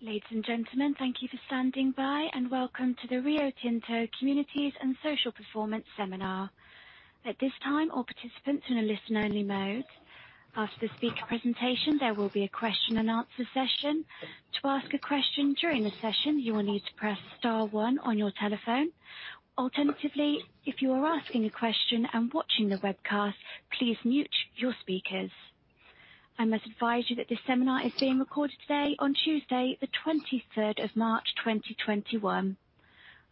Ladies and gentlemen, thank you for standing by, and welcome to the Rio Tinto Communities and Social Performance Seminar. At this time, all participants are in a listen-only mode. After the speaker presentation, there will be a question and answer session. To ask a question during the session, you will need to press star one on your telephone. Alternatively, if you are asking a question and watching the webcast, please mute your speakers. I must advise you that this seminar is being recorded today on Tuesday the 23rd of March 2021.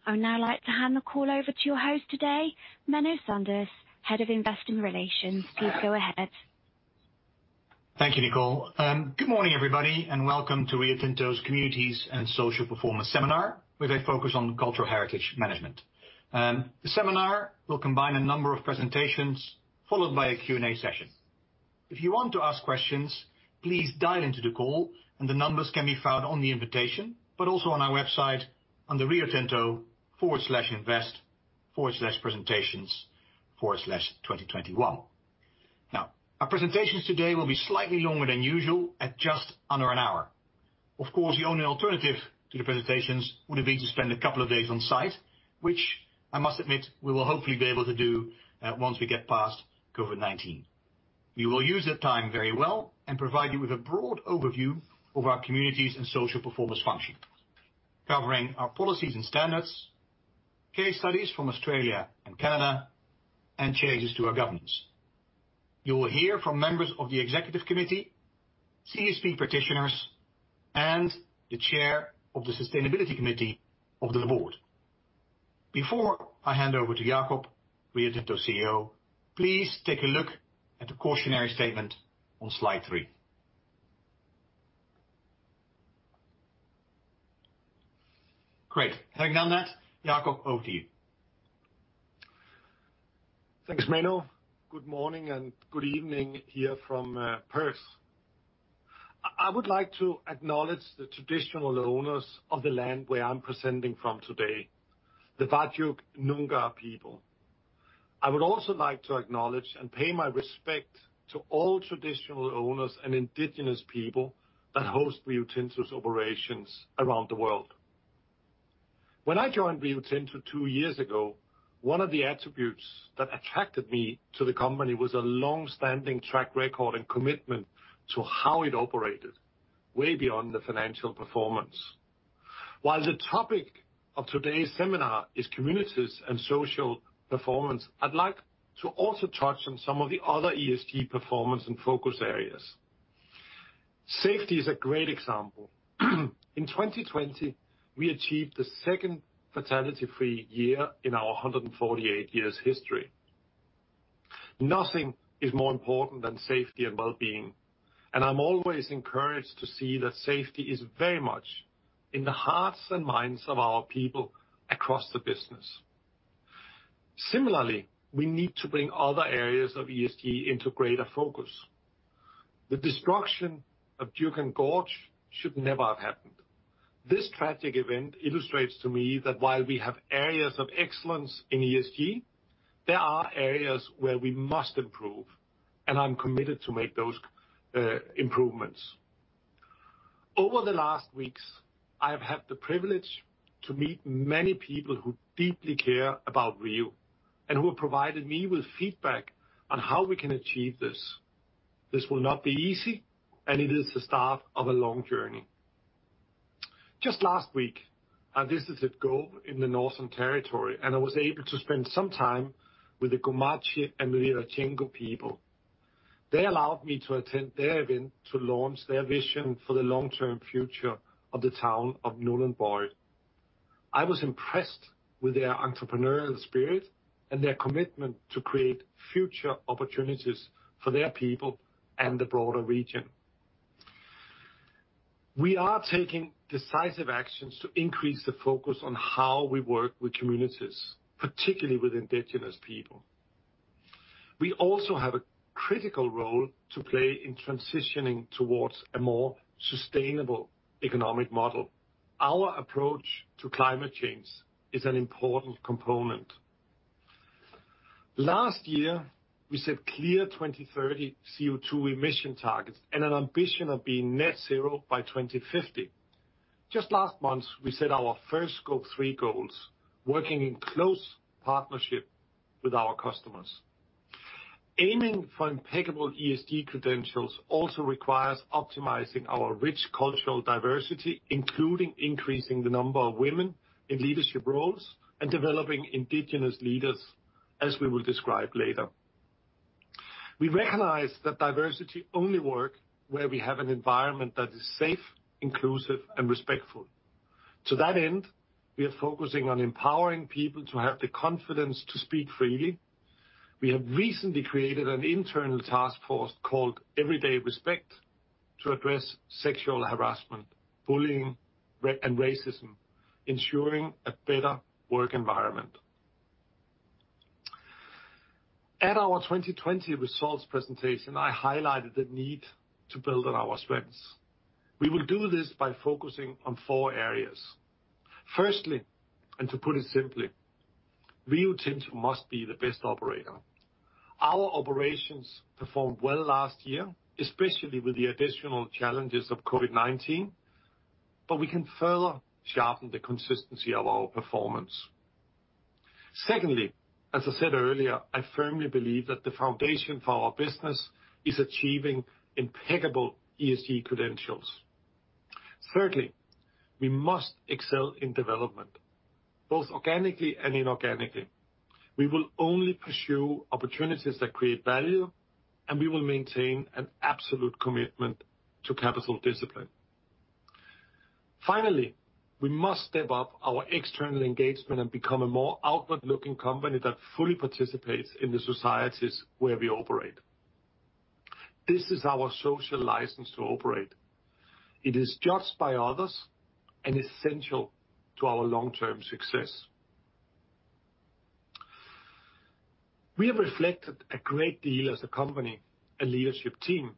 I would now like to hand the call over to your host today, Menno Sanderse, Head of Investor Relations. Please go ahead. Thank you, Nicole. Good morning, everybody, and welcome to Rio Tinto's Communities and Social Performance Seminar, with a focus on cultural heritage management. The seminar will combine a number of presentations followed by a Q&A session. If you want to ask questions, please dial into the call. The numbers can be found on the invitation, also on our website under riotinto/invest/presentations/2021. Now, our presentations today will be slightly longer than usual, at just under an hour. Of course, the only alternative to the presentations would have been to spend a couple of days on site, which I must admit we will hopefully be able to do once we get past COVID-19. We will use that time very well and provide you with a broad overview of our communities and social performance function, covering our policies and standards, case studies from Australia and Canada, and changes to our governance. You will hear from members of the Executive Committee, CSP practitioners, and the Chair of the Sustainability Committee of the Board. Before I hand over to Jakob, Rio Tinto CEO, please take a look at the cautionary statement on slide three. Great. Having done that, Jakob, over to you. Thanks, Menno. Good morning and good evening here from Perth. I would like to acknowledge Traditional Owners of the land where I'm presenting from today, the Whadjuk Noongar people. I would also like to acknowledge and pay my respect to Traditional Owners and Indigenous people that host Rio Tinto's operations around the world. When I joined Rio Tinto two years ago, one of the attributes that attracted me to the company was a long-standing track record and commitment to how it operated, way beyond the financial performance. While the topic of today's seminar is communities and social performance, I'd like to also touch on some of the other ESG performance and focus areas. Safety is a great example. In 2020, we achieved the second fatality-free year in our 148 years history. Nothing is more important than safety and well-being, and I'm always encouraged to see that safety is very much in the hearts and minds of our people across the business. Similarly, we need to bring other areas of ESG into greater focus. The destruction of Juukan Gorge should never have happened. This tragic event illustrates to me that while we have areas of excellence in ESG, there are areas where we must improve, and I'm committed to make those improvements. Over the last weeks, I have had the privilege to meet many people who deeply care about Rio and who have provided me with feedback on how we can achieve this. This will not be easy, and it is the start of a long journey. Just last week, I visited Gove in the Northern Territory, and I was able to spend some time with the Gumatj and Yirrkala people. They allowed me to attend their event to launch their vision for the long-term future of the town of Nhulunbuy. I was impressed with their entrepreneurial spirit and their commitment to create future opportunities for their people and the broader region. We are taking decisive actions to increase the focus on how we work with communities, particularly with indigenous people. We also have a critical role to play in transitioning towards a more sustainable economic model. Our approach to climate change is an important component. Last year, we set clear 2030 CO2 emission targets and an ambition of being net zero by 2050. Just last month, we set our first Scope 3 goals, working in close partnership with our customers. Aiming for impeccable ESG credentials also requires optimizing our rich cultural diversity, including increasing the number of women in leadership roles and developing indigenous leaders, as we will describe later. We recognize that diversity only work where we have an environment that is safe, inclusive and respectful. To that end, we are focusing on empowering people to have the confidence to speak freely. We have recently created an internal task force called Everyday Respect to address sexual harassment, bullying, and racism, ensuring a better work environment. At our 2020 results presentation, I highlighted the need to build on our strengths. We will do this by focusing on four areas. Firstly, to put it simply, Rio Tinto must be the best operator. Our operations performed well last year, especially with the additional challenges of COVID-19, but we can further sharpen the consistency of our performance. Secondly, as I said earlier, I firmly believe that the foundation for our business is achieving impeccable ESG credentials. Thirdly, we must excel in development, both organically and inorganically. We will only pursue opportunities that create value, and we will maintain an absolute commitment to capital discipline. Finally, we must step up our external engagement and become a more outward-looking company that fully participates in the societies where we operate. This is our social license to operate. It is judged by others and essential to our long-term success. We have reflected a great deal as a company and leadership team,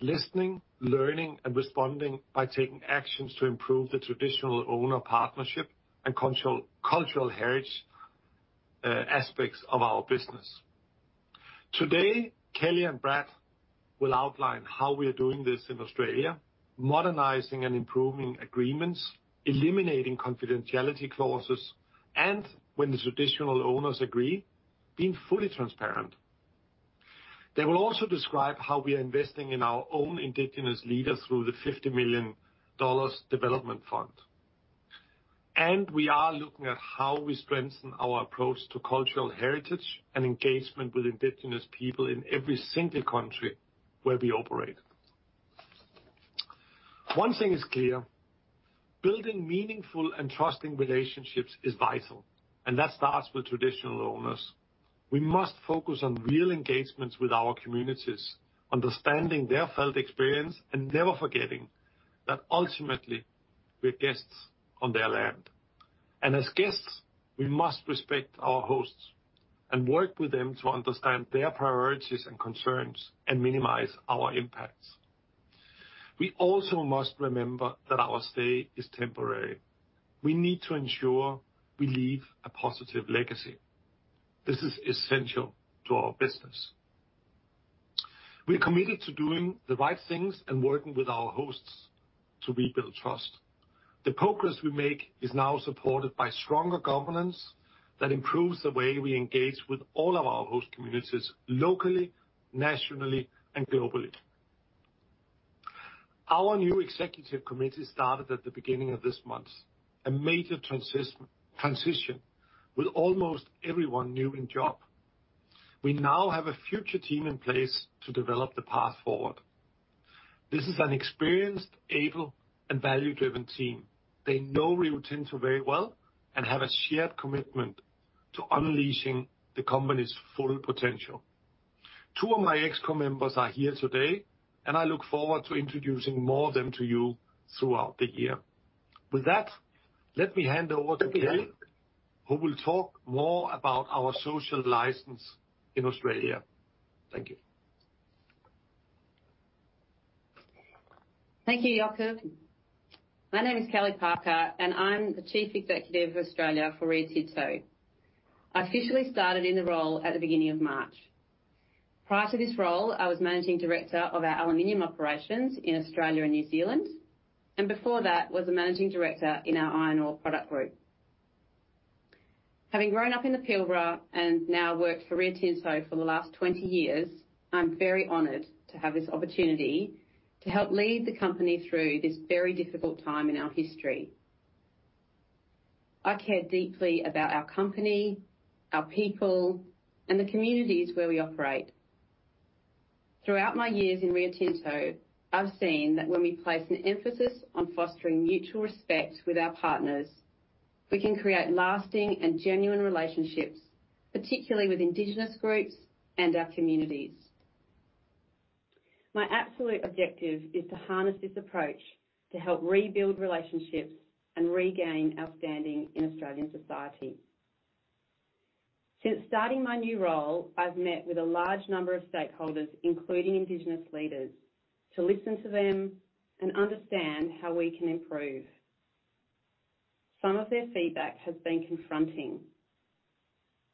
listening, learning, and responding by taking actions to improve the Traditional Owner partnership and cultural heritage aspects of our business. Today, Kellie and Brad will outline how we are doing this in Australia, modernizing and improving agreements, eliminating confidentiality clauses, and when Traditional Owners agree, being fully transparent. They will also describe how we are investing in our own Indigenous leaders through the $50 million development fund. We are looking at how we strengthen our approach to cultural heritage and engagement with Indigenous people in every single country where we operate. One thing is clear, building meaningful and trusting relationships is vital, and that starts Traditional Owners. we must focus on real engagements with our communities, understanding their felt experience, and never forgetting that ultimately, we're guests on their land. As guests, we must respect our hosts and work with them to understand their priorities and concerns and minimize our impacts. We also must remember that our stay is temporary. We need to ensure we leave a positive legacy. This is essential to our business. We're committed to doing the right things and working with our hosts to rebuild trust. The progress we make is now supported by stronger governance that improves the way we engage with all of our host communities locally, nationally, and globally. Our new executive committee started at the beginning of this month, a major transition with almost everyone new in job. We now have a future team in place to develop the path forward. This is an experienced, able, and value-driven team. They know Rio Tinto very well and have a shared commitment to unleashing the company's full potential. Two of my ExCo members are here today, and I look forward to introducing more of them to you throughout the year. With that, let me hand over to Kellie, who will talk more about our social license in Australia. Thank you. Thank you, Jakob. My name is Kellie Parker. I'm the Chief Executive of Australia for Rio Tinto. I officially started in the role at the beginning of March. Prior to this role, I was Managing Director of our aluminium operations in Australia and New Zealand. Before that, was a Managing Director in our iron ore product group. Having grown up in the Pilbara and now worked for Rio Tinto for the last 20 years, I'm very honored to have this opportunity to help lead the company through this very difficult time in our history. I care deeply about our company, our people, and the communities where we operate. Throughout my years in Rio Tinto, I've seen that when we place an emphasis on fostering mutual respect with our partners, we can create lasting and genuine relationships, particularly with indigenous groups and our communities. My absolute objective is to harness this approach to help rebuild relationships and regain our standing in Australian society. Since starting my new role, I've met with a large number of stakeholders, including Indigenous leaders, to listen to them and understand how we can improve. Some of their feedback has been confronting.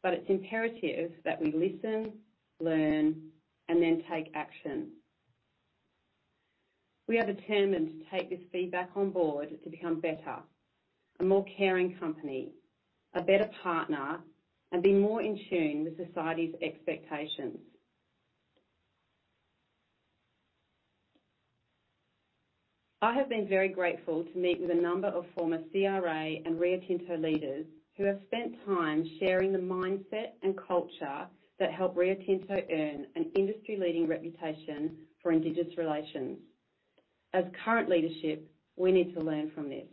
It's imperative that we listen, learn, and then take action. We are determined to take this feedback on board to become better, a more caring company, a better partner, and be more in tune with society's expectations. I have been very grateful to meet with a number of former CRA and Rio Tinto leaders who have spent time sharing the mindset and culture that helped Rio Tinto earn an industry-leading reputation for Indigenous relations. As current leadership, we need to learn from this.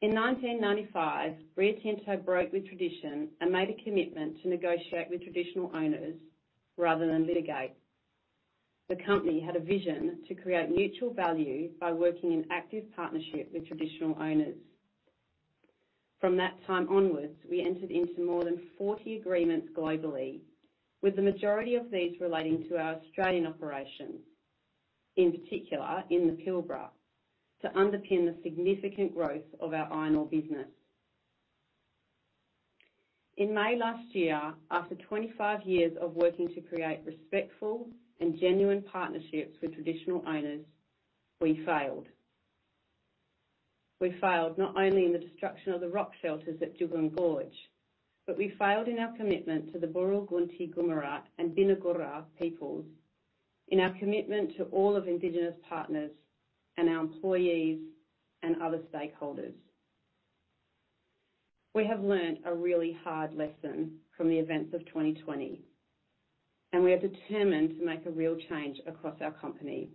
In 1995, Rio Tinto broke with tradition and made a commitment to negotiate Traditional Owners rather than litigate. The company had a vision to create mutual value by working in active partnership Traditional Owners. from that time onwards, we entered into more than 40 agreements globally, with the majority of these relating to our Australian operations. In particular, in the Pilbara, to underpin the significant growth of our iron ore business. In May last year, after 25 years of working to create respectful and genuine partnerships Traditional Owners, we failed. We failed not only in the destruction of the rock shelters at Juukan Gorge, but we failed in our commitment to the Burguntty, Ngumbarl and Binigura peoples, in our commitment to all of Indigenous partners and our employees and other stakeholders. We have learned a really hard lesson from the events of 2020. We are determined to make a real change across our company.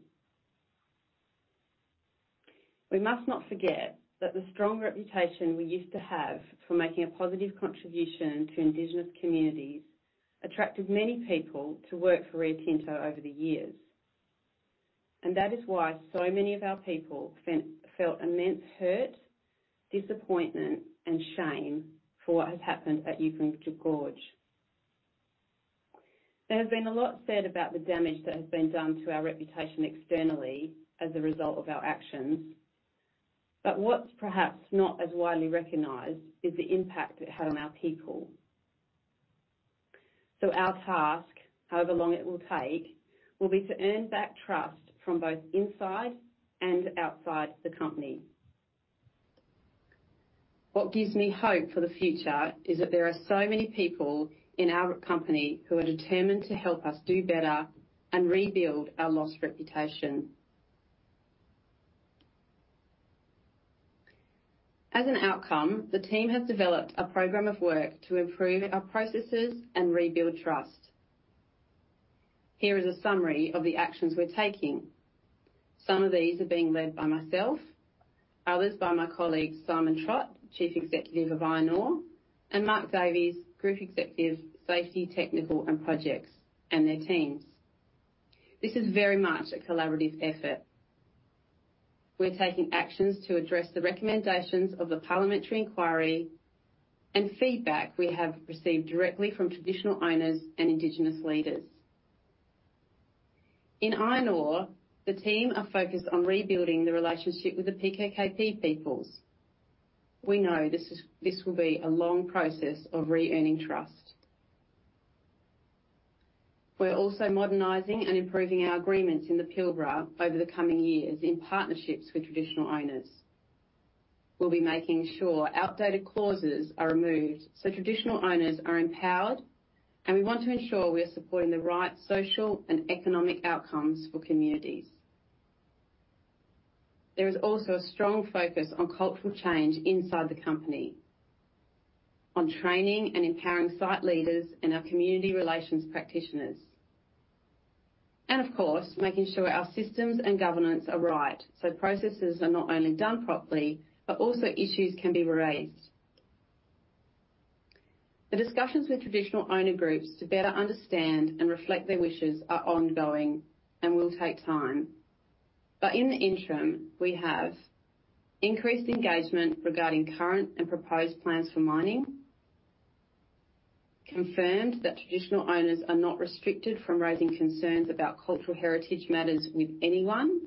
We must not forget that the strong reputation we used to have for making a positive contribution to Indigenous communities attracted many people to work for Rio Tinto over the years. That is why so many of our people felt immense hurt, disappointment, and shame for what has happened at Juukan Gorge. There has been a lot said about the damage that has been done to our reputation externally as a result of our actions. What's perhaps not as widely recognized is the impact it had on our people. Our task, however long it will take, will be to earn back trust from both inside and outside the company. What gives me hope for the future is that there are so many people in our company who are determined to help us do better and rebuild our lost reputation. As an outcome, the team has developed a program of work to improve our processes and rebuild trust. Here is a summary of the actions we're taking. Some of these are being led by myself, others by my colleague Simon Trott, Chief Executive of Iron Ore, and Mark Davies, Group Executive, Safety, Technical and Projects, and their teams. This is very much a collaborative effort. We're taking actions to address the recommendations of the parliamentary inquiry and feedback we have received directly Traditional Owners and Indigenous leaders. In Iron Ore, the team are focused on rebuilding the relationship with the PKKP peoples. We know this will be a long process of re-earning trust. We're also modernizing and improving our agreements in the Pilbara over the coming years in partnerships with Traditional Owners. we'll be making sure outdated clauses are removed Traditional Owners are empowered, and we want to ensure we are supporting the right social and economic outcomes for communities. There is also a strong focus on cultural change inside the company, on training and empowering site leaders and our community relations practitioners, and of course, making sure our systems and governance are right so processes are not only done properly, but also issues can be raised. The discussions with traditional owner groups to better understand and reflect their wishes are ongoing and will take time. In the interim, we have increased engagement regarding current and proposed plans for mining, confirmed that Traditional Owners are not restricted from raising concerns about cultural heritage matters with anyone,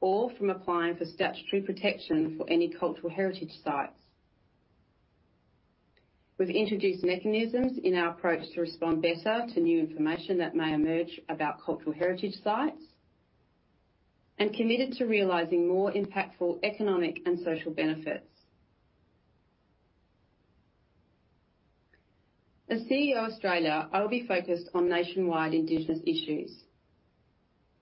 or from applying for statutory protection for any cultural heritage sites. We've introduced mechanisms in our approach to respond better to new information that may emerge about cultural heritage sites and committed to realizing more impactful economic and social benefits. As CEO Australia, I will be focused on nationwide Indigenous issues.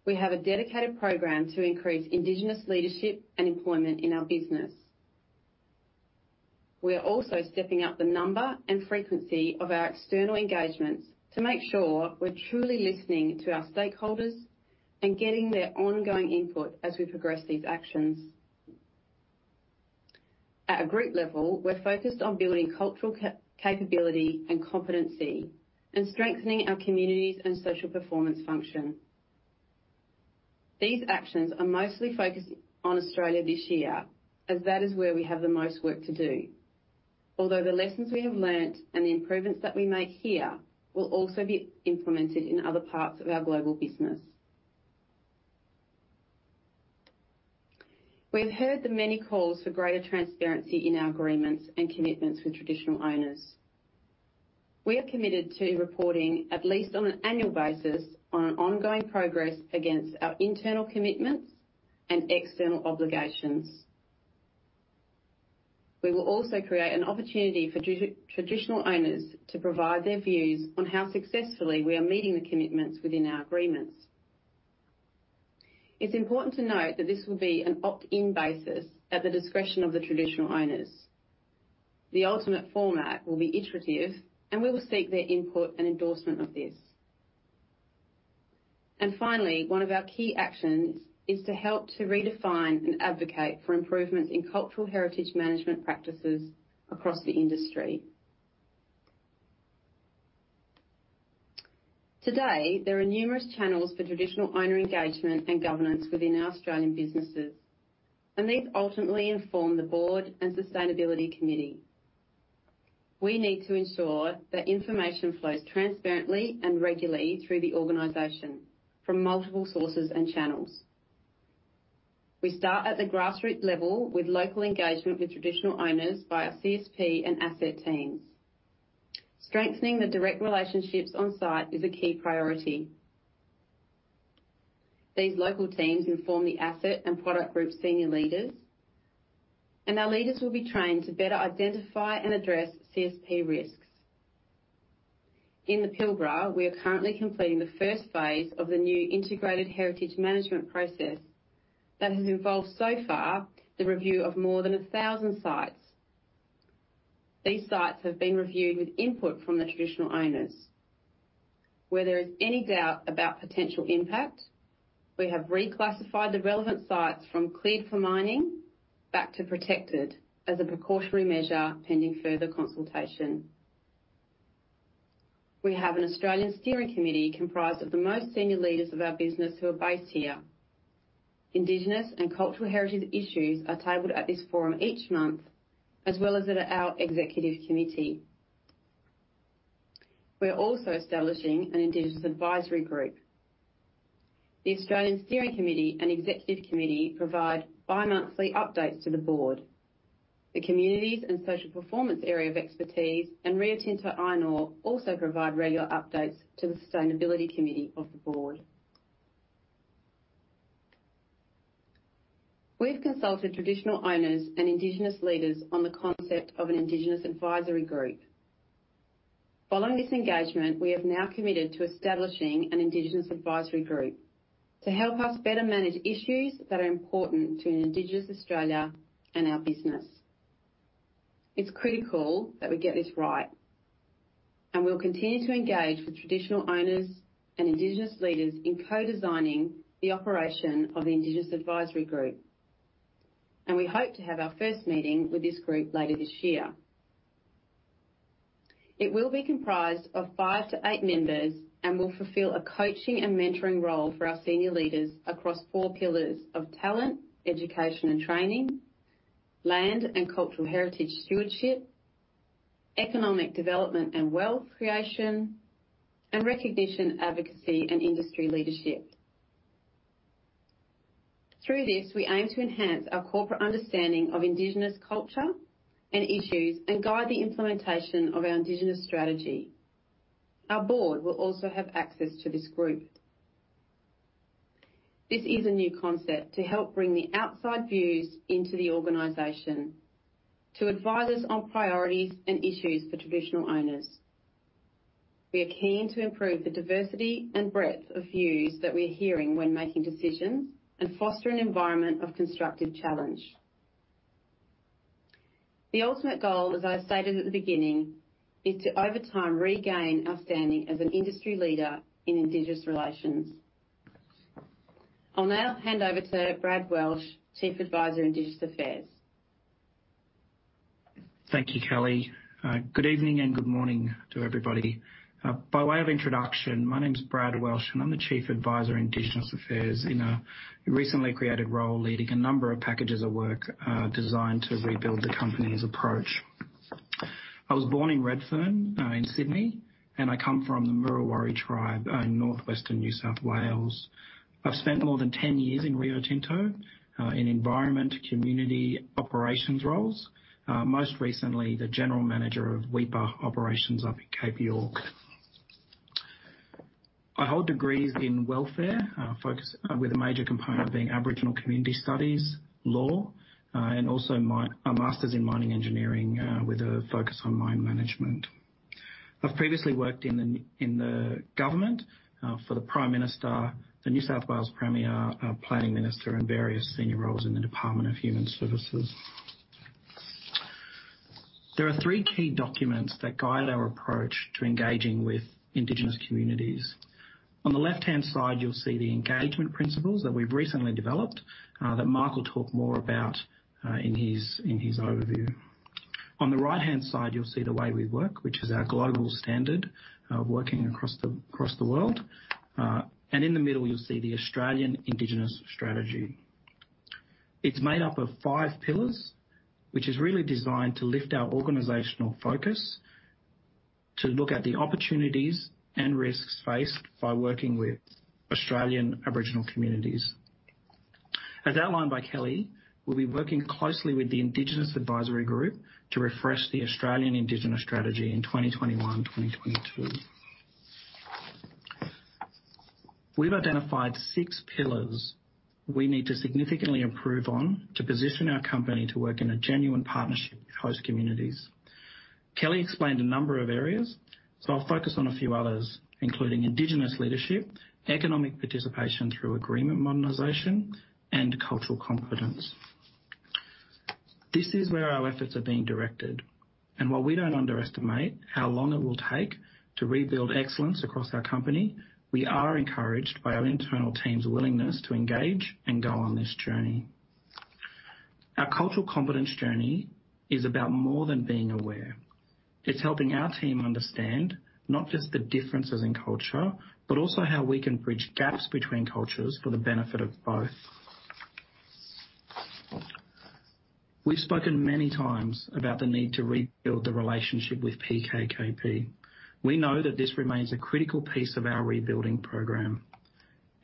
We have a dedicated program to increase Indigenous leadership and employment in our business. We are also stepping up the number and frequency of our external engagements to make sure we're truly listening to our stakeholders and getting their ongoing input as we progress these actions. At a group level, we're focused on building cultural capability and competency and strengthening our Communities and Social Performance function. These actions are mostly focused on Australia this year, as that is where we have the most work to do. Although the lessons we have learned and the improvements that we make here will also be implemented in other parts of our global business. We've heard the many calls for greater transparency in our agreements and commitments with Traditional Owners. We are committed to reporting at least on an annual basis on an ongoing progress against our internal commitments and external obligations. We will also create an opportunity Traditional Owners to provide their views on how successfully we are meeting the commitments within our agreements. It's important to note that this will be an opt-in basis at the discretion of Traditional Owners. the ultimate format will be iterative, and we will seek their input and endorsement of this. Finally, one of our key actions is to help to redefine and advocate for improvements in cultural heritage management practices across the industry. Today, there are numerous channels for traditional owner engagement and governance within our Australian businesses, and these ultimately inform the board and Sustainability Committee. we need to ensure that information flows transparently and regularly through the organization from multiple sources and channels. We start at the grassroots level with local engagement Traditional Owners via CSP and asset teams. Strengthening the direct relationships on site is a key priority. These local teams inform the asset and product group senior leaders, and our leaders will be trained to better identify and address CSP risks. In the Pilbara, we are currently completing the first phase of the new integrated heritage management process that has involved so far, the review of more than 1,000 sites. These sites have been reviewed with input from Traditional Owners. where there is any doubt about potential impact, we have reclassified the relevant sites from cleared for mining back to protected as a precautionary measure pending further consultation. We have an Australian steering committee comprised of the most senior leaders of our business who are based here. Indigenous and cultural heritage issues are tabled at this forum each month, as well as at our executive committee. We're also establishing an Indigenous Advisory Group. The Australian Steering Committee and Executive Committee provide bi-monthly updates to the board. The Communities and Social Performance area of expertise and Rio Tinto Iron Ore also provide regular updates to the Sustainability Committee of the board. We've Traditional Owners and Indigenous leaders on the concept of an Indigenous Advisory Group. Following this engagement, we have now committed to establishing an Indigenous Advisory Group to help us better manage issues that are important to an Indigenous Australia and our business. It's critical that we get this right, and we'll continue to engage Traditional Owners and Indigenous leaders in co-designing the operation of the Indigenous Advisory Group, and we hope to have our first meeting with this group later this year. It will be comprised of five to eight members and will fulfill a coaching and mentoring role for our senior leaders across four pillars of talent, education, and training, land and cultural heritage stewardship, economic development and wealth creation, and recognition, advocacy, and industry leadership. Through this, we aim to enhance our corporate understanding of Indigenous culture and issues and guide the implementation of our Indigenous strategy. Our board will also have access to this group. This is a new concept to help bring the outside views into the organization to advise us on priorities and issues Traditional Owners. we are keen to improve the diversity and breadth of views that we're hearing when making decisions and foster an environment of constructive challenge. The ultimate goal, as I've stated at the beginning, is to, over time, regain our standing as an industry leader in Indigenous relations. I'll now hand over to Brad Welsh, Chief Advisor, Indigenous Affairs. Thank you, Kellie. Good evening and good morning to everybody. By way of introduction, my name is Brad Welsh, and I'm the Chief Advisor in Indigenous Affairs in a recently created role leading a number of packages of work designed to rebuild the company's approach. I was born in Redfern, in Sydney, and I come from the Murawari tribe in northwestern New South Wales. I've spent more than 10 years in Rio Tinto, in environment community operations roles. Most recently, the General Manager of Weipa Operations up in Cape York. I hold degrees in welfare, with a major component being Aboriginal community studies, law, and also a Masters in Mining Engineering with a focus on mine management. I've previously worked in the government, for the Prime Minister, the New South Wales Premier, Planning Minister, and various senior roles in the Department of Human Services. There are three key documents that guide our approach to engaging with Indigenous communities. On the left-hand side, you'll see the engagement principles that we've recently developed, that Mark will talk more about in his overview. On the right-hand side, you'll see the way we work, which is our global standard, working across the world. In the middle, you'll see the Australian Indigenous strategy. It's made up of five pillars, which is really designed to lift our organizational focus to look at the opportunities and risks faced by working with Australian Aboriginal communities. As outlined by Kellie, we'll be working closely with the Indigenous Advisory Group to refresh the Australian Indigenous strategy in 2021, 2022. We've identified six pillars we need to significantly improve on to position our company to work in a genuine partnership with host communities. Kellie explained a number of areas. I'll focus on a few others, including Indigenous leadership, economic participation through agreement modernization, and cultural competence. This is where our efforts are being directed. While we don't underestimate how long it will take to rebuild excellence across our company, we are encouraged by our internal team's willingness to engage and go on this journey. Our cultural competence journey is about more than being aware. It's helping our team understand not just the differences in culture, but also how we can bridge gaps between cultures for the benefit of both. We've spoken many times about the need to rebuild the relationship with PKKP. We know that this remains a critical piece of our rebuilding program.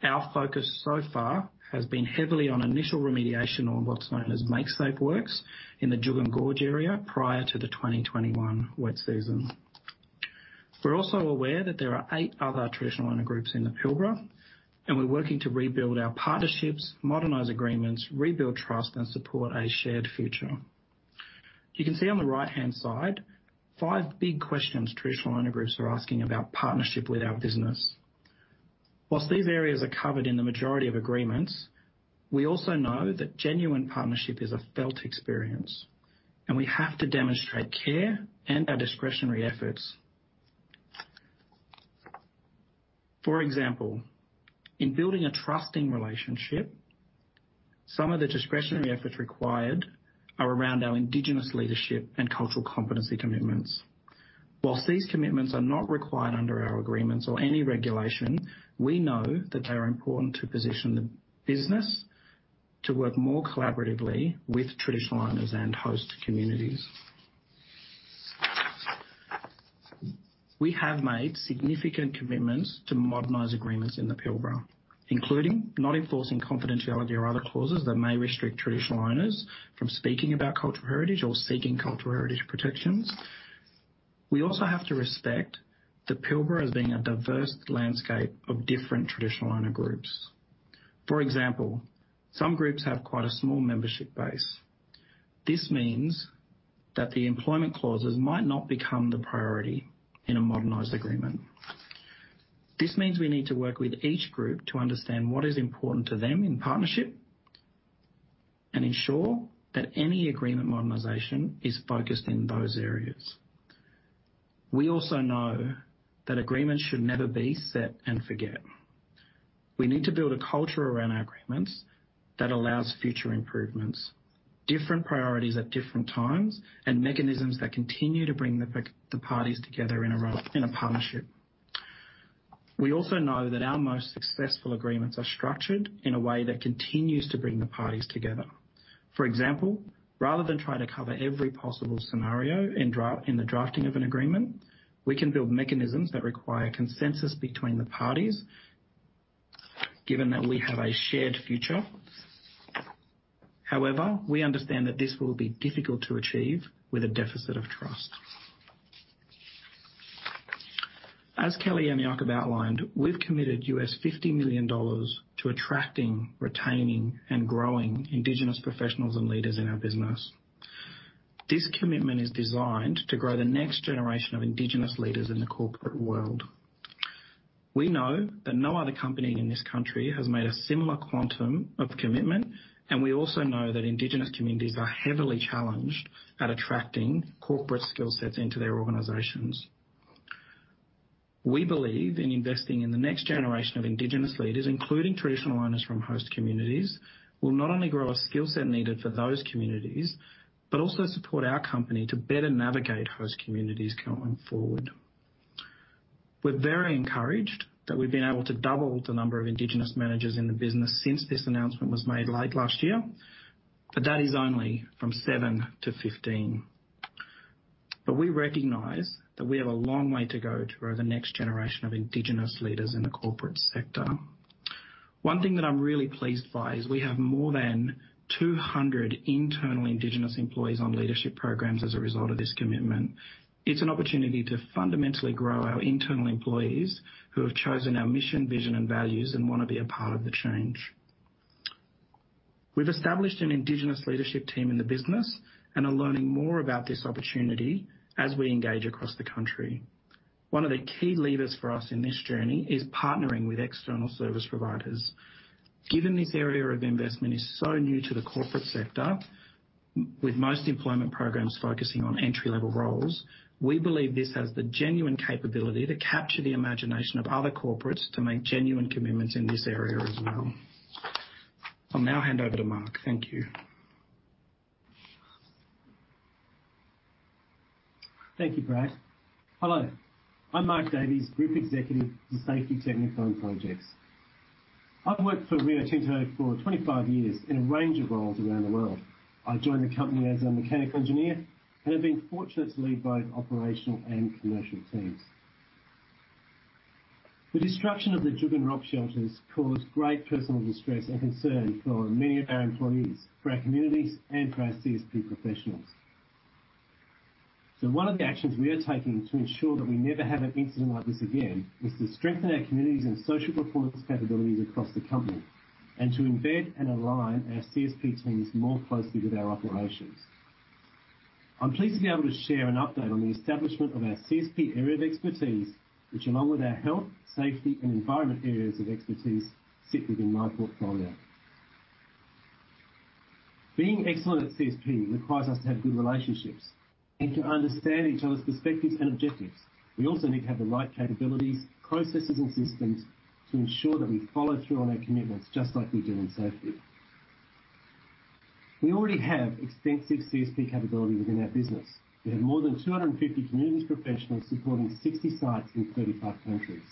Our focus so far has been heavily on initial remediation on what's known as make safe works in the Juukan Gorge area prior to the 2021 wet season. We're also aware that there are eight other traditional owner groups in the Pilbara, and we're working to rebuild our partnerships, modernize agreements, rebuild trust, and support a shared future. You can see on the right-hand side five big questions Traditional Owners groups are asking about partnership with our business. These areas are covered in the majority of agreements, we also know that genuine partnership is a felt experience, and we have to demonstrate care and our discretionary efforts. For example, in building a trusting relationship, some of the discretionary efforts required are around our Indigenous leadership and cultural competency commitments. These commitments are not required under our agreements or any regulation, we know that they are important to position the business to work more collaboratively Traditional Owners and host communities. We have made significant commitments to modernize agreements in the Pilbara, including not enforcing confidentiality or other clauses that may Traditional Owners from speaking about cultural heritage or seeking cultural heritage protections. We also have to respect the Pilbara as being a diverse landscape of different traditional owner groups. For example, some groups have quite a small membership base. This means that the employment clauses might not become the priority in a modernized agreement. This means we need to work with each group to understand what is important to them in partnership and ensure that any agreement modernization is focused in those areas. We also know that agreements should never be set and forget. We need to build a culture around our agreements that allows future improvements, different priorities at different times, and mechanisms that continue to bring the parties together in a partnership. We also know that our most successful agreements are structured in a way that continues to bring the parties together. For example, rather than trying to cover every possible scenario in the drafting of an agreement, we can build mechanisms that require consensus between the parties, given that we have a shared future. We understand that this will be difficult to achieve with a deficit of trust. As Kellie outlined, we've committed $50 million to attracting, retaining, and growing Indigenous professionals and leaders in our business. This commitment is designed to grow the next generation of Indigenous leaders in the corporate world. We know that no other company in this country has made a similar quantum of commitment, and we also know that Indigenous communities are heavily challenged at attracting corporate skill sets into their organizations. We believe in investing in the next generation of Indigenous leaders, including Traditional Owners from host communities, will not only grow a skill set needed for those communities, but also support our company to better navigate host communities going forward. We're very encouraged that we've been able to double the number of Indigenous managers in the business since this announcement was made late last year. That is only from 7-15. We recognize that we have a long way to go to grow the next generation of Indigenous leaders in the corporate sector. One thing that I'm really pleased by is we have more than 200 internal Indigenous employees on leadership programs as a result of this commitment. It's an opportunity to fundamentally grow our internal employees who have chosen our mission, vision, and values and want to be a part of the change. We've established an Indigenous leadership team in the business and are learning more about this opportunity as we engage across the country. One of the key levers for us in this journey is partnering with external service providers. Given this area of investment is so new to the corporate sector, with most employment programs focusing on entry-level roles, we believe this has the genuine capability to capture the imagination of other corporates to make genuine commitments in this area as well. I'll now hand over to Mark. Thank you. Thank you, Brad. Hello, I'm Mark Davies, Group Executive for Safety, Technical, and Projects. I've worked for Rio Tinto for 25 years in a range of roles around the world. I joined the company as a mechanical engineer and have been fortunate to lead both operational and commercial teams. The destruction of the Juukan Rock Shelters caused great personal distress and concern for many of our employees, for our communities, and for our CSP professionals. One of the actions we are taking to ensure that we never have an incident like this again is to strengthen our communities and social performance capabilities across the company and to embed and align our CSP teams more closely with our operations. I'm pleased to be able to share an update on the establishment of our CSP area of expertise, which, along with our health, safety, and environment areas of expertise, sit within my portfolio. Being excellent at CSP requires us to have good relationships and to understand each other's perspectives and objectives. We also need to have the right capabilities, processes, and systems to ensure that we follow through on our commitments just like we do in safety. We already have extensive CSP capability within our business. We have more than 250 communities professionals supporting 60 sites in 35 countries.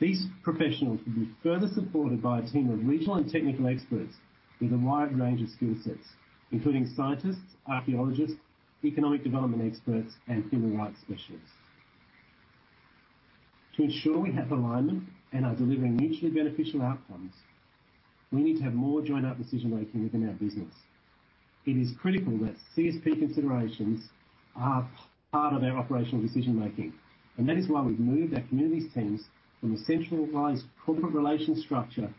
These professionals will be further supported by a team of regional and technical experts with a wide range of skill sets, including scientists, archaeologists, economic development experts, and human rights specialists. To ensure we have alignment and are delivering mutually beneficial outcomes, we need to have more joined up decision-making within our business. It is critical that CSP considerations are part of our operational decision-making, and that is why we've moved our communities teams from a centralized corporate relation structure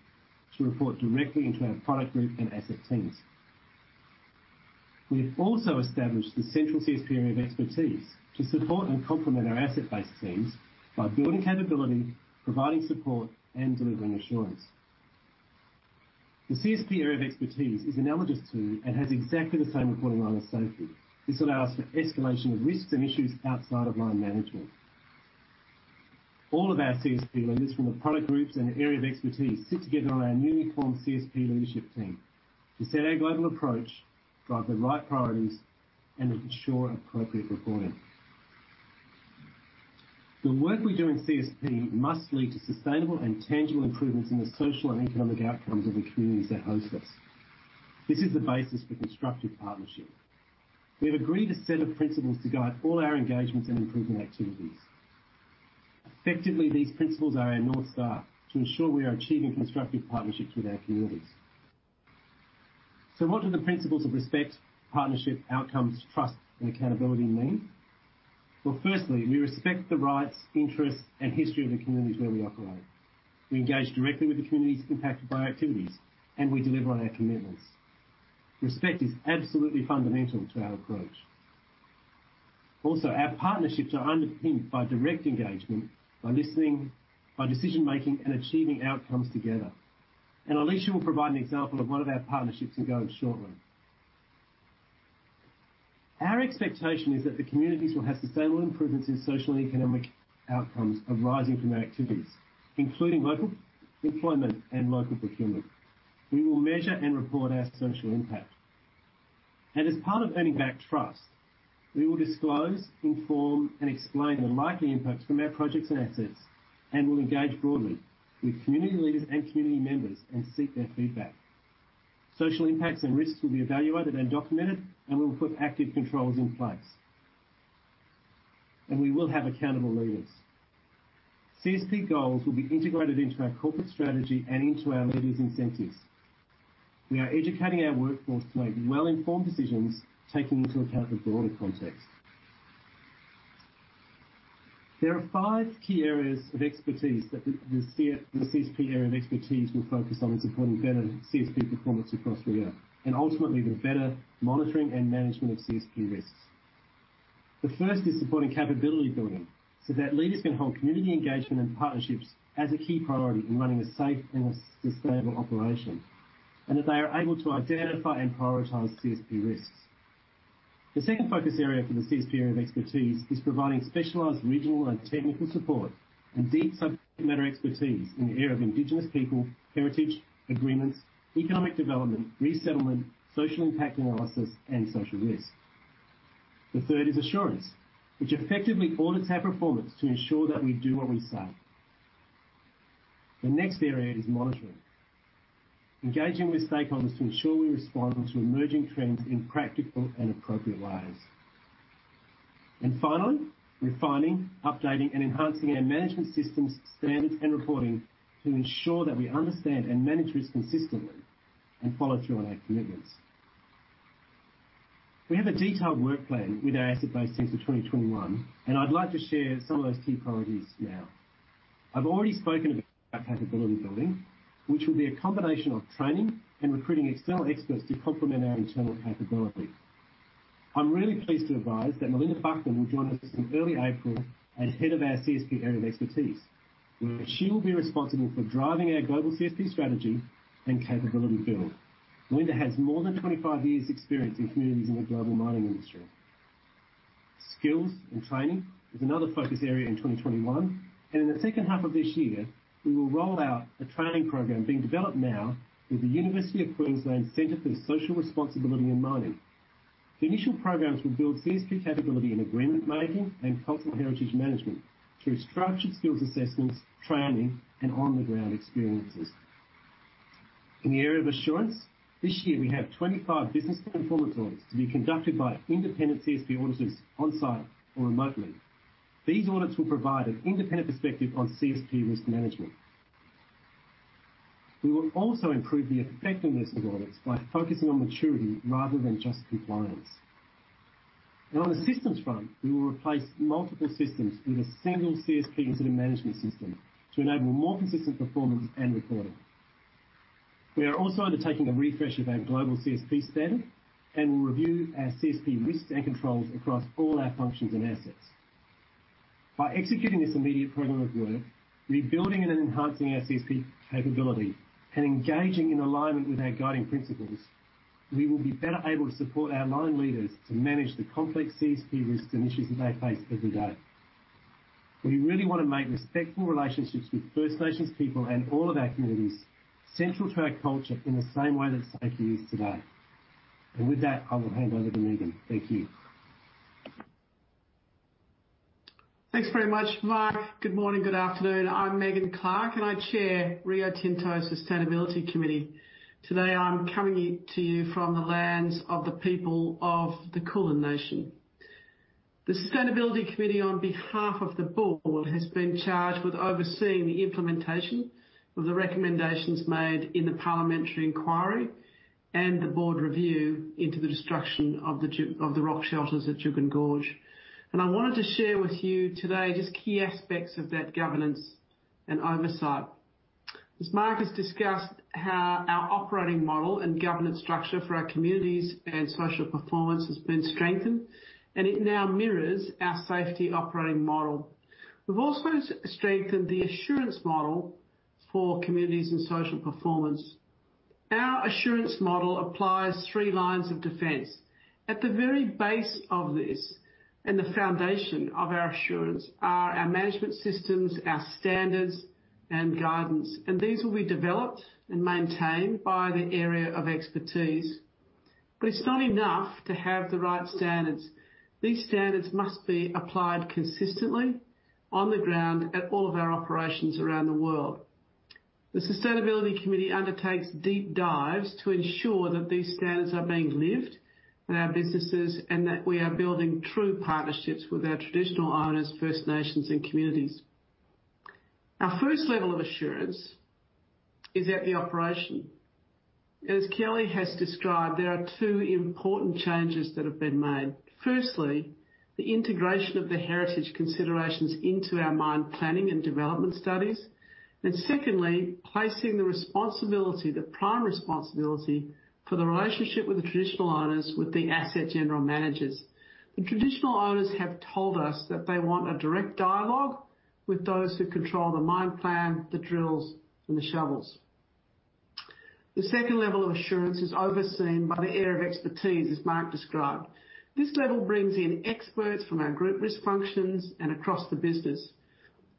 to report directly into our product group and asset teams. We have also established the central CSP area of expertise to support and complement our asset base teams by building capability, providing support, and delivering assurance. The CSP area of expertise is analogous to, and has exactly the same reporting line as safety. This allows for escalation of risks and issues outside of line management. All of our CSP leaders from the product groups and area of expertise sit together on our newly formed CSP leadership team to set our global approach, drive the right priorities, and ensure appropriate reporting. The work we do in CSP must lead to sustainable and tangible improvements in the social and economic outcomes of the communities that host us. This is the basis for constructive partnership. We have agreed a set of principles to guide all our engagements and improvement activities. Effectively, these principles are our North Star to ensure we are achieving constructive partnerships with our communities. What do the principles of respect, partnership, outcomes, trust, and accountability mean? Well, firstly, we respect the rights, interests, and history of the communities where we operate. We engage directly with the communities impacted by our activities, and we deliver on our commitments. Respect is absolutely fundamental to our approach. Our partnerships are underpinned by direct engagement, by listening, by decision-making, and achieving outcomes together. Alicia will provide an example of one of our partnerships ongoing shortly. Our expectation is that the communities will have sustainable improvements in social and economic outcomes arising from our activities, including local employment and local procurement. We will measure and report our social impact. As part of earning back trust, we will disclose, inform, and explain the likely impacts from our projects and assets, and will engage broadly with community leaders and community members and seek their feedback. Social impacts and risks will be evaluated and documented, and we will put active controls in place. We will have accountable leaders. CSP goals will be integrated into our corporate strategy and into our leaders' incentives. We are educating our workforce to make well-informed decisions, taking into account the broader context. There are five key areas of expertise that the CSP area of expertise will focus on in supporting better CSP performance across Rio, and ultimately the better monitoring and management of CSP risks. The first is supporting capability building, so that leaders can hold community engagement and partnerships as a key priority in running a safe and a sustainable operation, and that they are able to identify and prioritize CSP risks. The second focus area for the CSP area of expertise is providing specialized regional and technical support and deep subject matter expertise in the area of indigenous people, heritage, agreements, economic development, resettlement, social impact analysis, and social risk. The third is assurance, which effectively audits our performance to ensure that we do what we say. The next area is monitoring, engaging with stakeholders to ensure we respond to emerging trends in practical and appropriate ways. Finally, refining, updating, and enhancing our management systems, standards, and reporting to ensure that we understand and manage risk consistently and follow through on our commitments. We have a detailed work plan with our asset base since the 2021, and I'd like to share some of those key priorities now. I've already spoken about capability building, which will be a combination of training and recruiting external experts to complement our internal capability. I'm really pleased to advise that Melinda Buckland will join us in early April as head of our CSP area of expertise, where she will be responsible for driving our global CSP strategy and capability build. Melinda has more than 25 years' experience in communities in the global mining industry. Skills and training is another focus area in 2021, and in the second half of this year, we will roll out a training program being developed now with the University of Queensland Centre for Social Responsibility in Mining. The initial programs will build CSP capability in agreement making and cultural heritage management through structured skills assessments, training, and on-the-ground experiences. In the area of assurance, this year we have 25 business performance audits to be conducted by independent CSP auditors on-site or remotely. These audits will provide an independent perspective on CSP risk management. We will also improve the effectiveness of audits by focusing on maturity rather than just compliance. On the systems front, we will replace multiple systems with a single CSP incident management system to enable more consistent performance and reporting. We are also undertaking a refresh of our global CSP standard and will review our CSP risks and controls across all our functions and assets. By executing this immediate program of work, rebuilding and enhancing our CSP capability, and engaging in alignment with our guiding principles, we will be better able to support our line leaders to manage the complex CSP risks and issues that they face every day. We really want to make respectful relationships with First Nations people and all of our communities central to our culture in the same way that safety is today. With that, I will hand over to Megan. Thank you. Thanks very much, Mark. Good morning, good afternoon. I'm Megan Clark. I chair Rio Tinto's Sustainability Committee. Today, I'm coming to you from the lands of the people of the Kulin nation. The Sustainability Committee, on behalf of the board, has been charged with overseeing the implementation of the recommendations made in the parliamentary inquiry and the board review into the destruction of the rock shelters at Juukan Gorge. I wanted to share with you today just key aspects of that governance and oversight. As Mark has discussed how our operating model and governance structure for our communities and social performance has been strengthened. It now mirrors our safety operating model. We've also strengthened the assurance model for communities and social performance. Our assurance model applies three lines of defense. At the very base of this, and the foundation of our assurance, are our management systems, our standards, and guidance. These will be developed and maintained by the area of expertise. It's not enough to have the right standards. These standards must be applied consistently on the ground at all of our operations around the world. The Sustainability Committee undertakes deep dives to ensure that these standards are being lived in our businesses, and that we are building true partnerships with Traditional Owners, First Nations, and communities. Our first level of assurance is at the operation. As Kellie has described, there are two important changes that have been made. Firstly, the integration of the heritage considerations into our mine planning and development studies. Secondly, placing the responsibility, the prime responsibility, for the relationship with Traditional Owners with the asset general managers. Traditional Owners have told us that they want a direct dialogue with those who control the mine plan, the drills, and the shovels. The second level of assurance is overseen by the Area of Expertise, as Mark described. This level brings in experts from our group risk functions and across the business,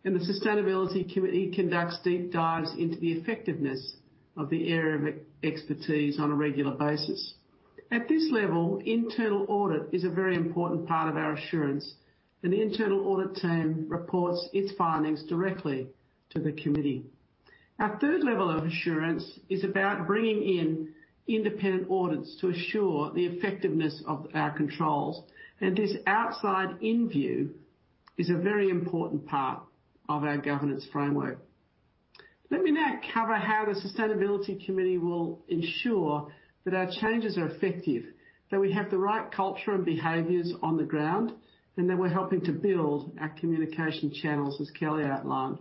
and the Sustainability Committee conducts deep dives into the effectiveness of the Area of Expertise on a regular basis. At this level, internal audit is a very important part of our assurance, and the internal audit team reports its findings directly to the committee. Our third level of assurance is about bringing in independent audits to assure the effectiveness of our controls, and this outside-in view is a very important part of our governance framework. Let me now cover how the Sustainability Committee will ensure that our changes are effective, that we have the right culture and behaviors on the ground, and that we're helping to build our communication channels as Kellie outlined.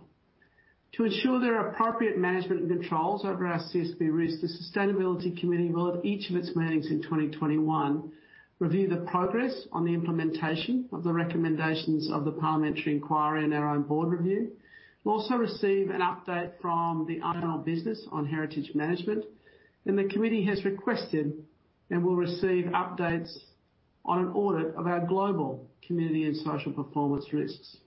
To ensure there are appropriate management controls over our CSP risk, the Sustainability Committee will, at each of its meetings in 2021, review the progress on the implementation of the recommendations of the parliamentary inquiry and our own board review. We'll also receive an update from the iron ore business on heritage management. The committee has requested and will receive updates on an audit of our global community and social performance risks.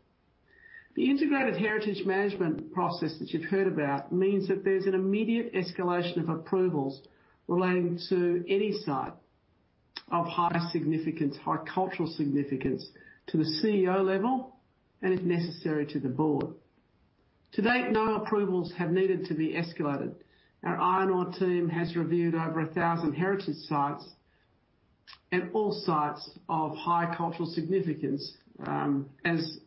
The integrated heritage management process that you've heard about means that there's an immediate escalation of approvals relating to any site of high significance, high cultural significance, to the CEO level, and if necessary, to the board. To date, no approvals have needed to be escalated. Our iron ore team has reviewed over 1,000 heritage sites and all sites of high cultural significance, as,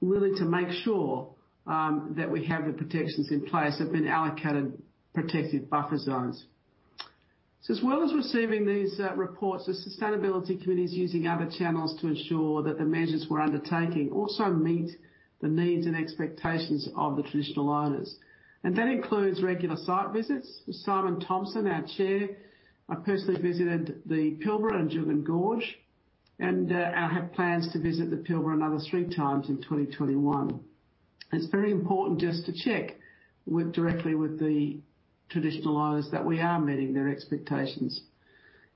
really to make sure that we have the protections in place, have been allocated protected buffer zones. As well as receiving these reports, the Sustainability Committee's using other channels to ensure that the measures we're undertaking also meet the needs and expectations of Traditional Owners. that includes regular site visits with Simon Thompson, our chair. I personally visited the Pilbara and Juukan Gorge, and I have plans to visit the Pilbara another three times in 2021. It's very important just to check directly with Traditional Owners that we are meeting their expectations.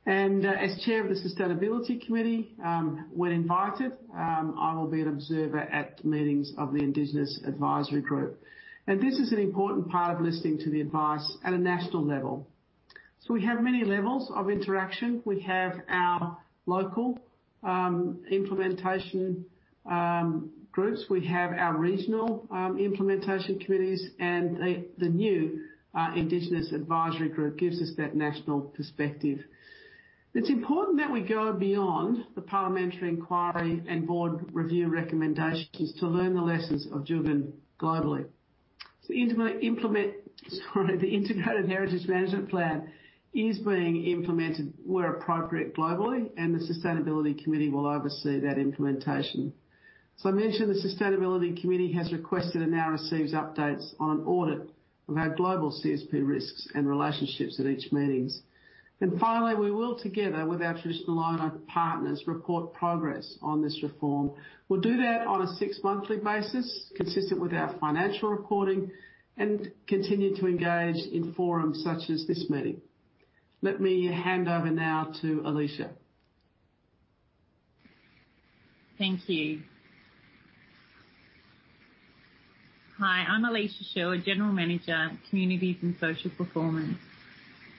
As chair of the Sustainability Committee, when invited, I will be an observer at meetings of the Indigenous Advisory Group. This is an important part of listening to the advice at a national level. We have many levels of interaction. We have our local implementation groups, we have our regional implementation committees, and the new Indigenous Advisory Group gives us that national perspective. It's important that we go beyond the parliamentary inquiry and board review recommendations to learn the lessons of Juukan globally. The integrated heritage management plan is being implemented where appropriate globally, and the Sustainability Committee will oversee that implementation. I mentioned the Sustainability Committee has requested and now receives updates on audit of our global CSP risks and relationships at each meetings. Finally, we will, together with our traditional owner partners, report progress on this reform. We'll do that on a six-monthly basis, consistent with our financial reporting, and continue to engage in forums such as this meeting. Let me hand over now to Alicia. Thank you. Hi, I'm Alicia Sherwood, General Manager, Communities and Social Performance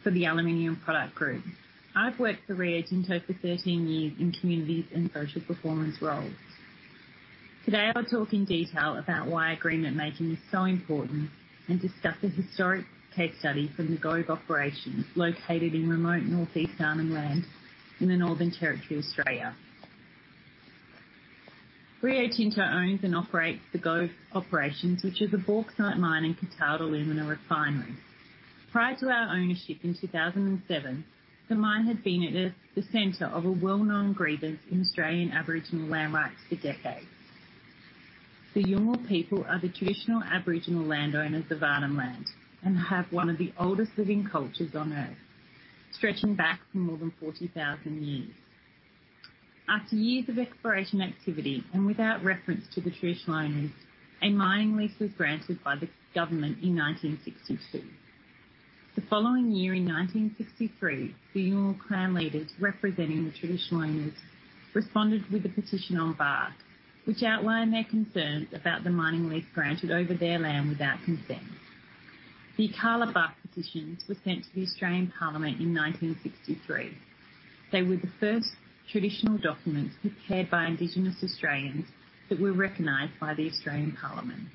for the Aluminium Product Group. I've worked for Rio Tinto for 13 years in communities and social performance roles. Today, I'll talk in detail about why agreement-making is so important and discuss a historic case study for the Gove operations located in remote northeast Arnhem Land in the Northern Territory, Australia. Rio Tinto owns and operates the Gove operations, which is a bauxite mine and calcined alumina refinery. Prior to our ownership in 2007, the mine had been at the center of a well-known grievance in Australian Aboriginal land rights for decades. The Yolŋu people are the traditional Aboriginal landowners of Arnhem Land and have one of the oldest living cultures on Earth, stretching back for more than 40,000 years. After years of exploration activity and without reference to Traditional Owners, a mining lease was granted by the government in 1962. The following year, in 1963, the Yolŋu clan leaders representing Traditional Owners responded with a petition on bark, which outlined their concerns about the mining lease granted over their land without consent. The Yirrkala bark petitions were sent to the Australian Parliament in 1963. They were the first traditional documents prepared by Indigenous Australians that were recognized by the Australian Parliament.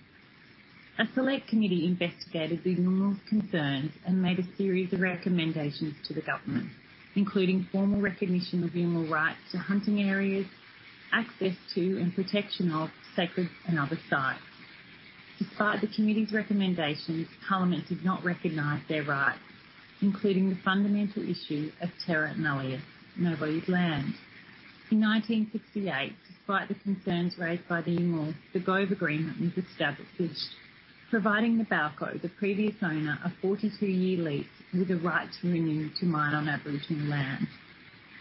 A select committee investigated the Yolŋu's concerns and made a series of recommendations to the government, including formal recognition of Yolŋu rights to hunting areas, access to and protection of sacred and other sites. Despite the committee's recommendations, Parliament did not recognize their rights, including the fundamental issue of terra nullius, nobody's land. In 1968, despite the concerns raised by the Yolŋu, the Gove Agreement was established, providing the Nabalco, the previous owner, a 42-year lease with a right to renew to mine on Aboriginal land.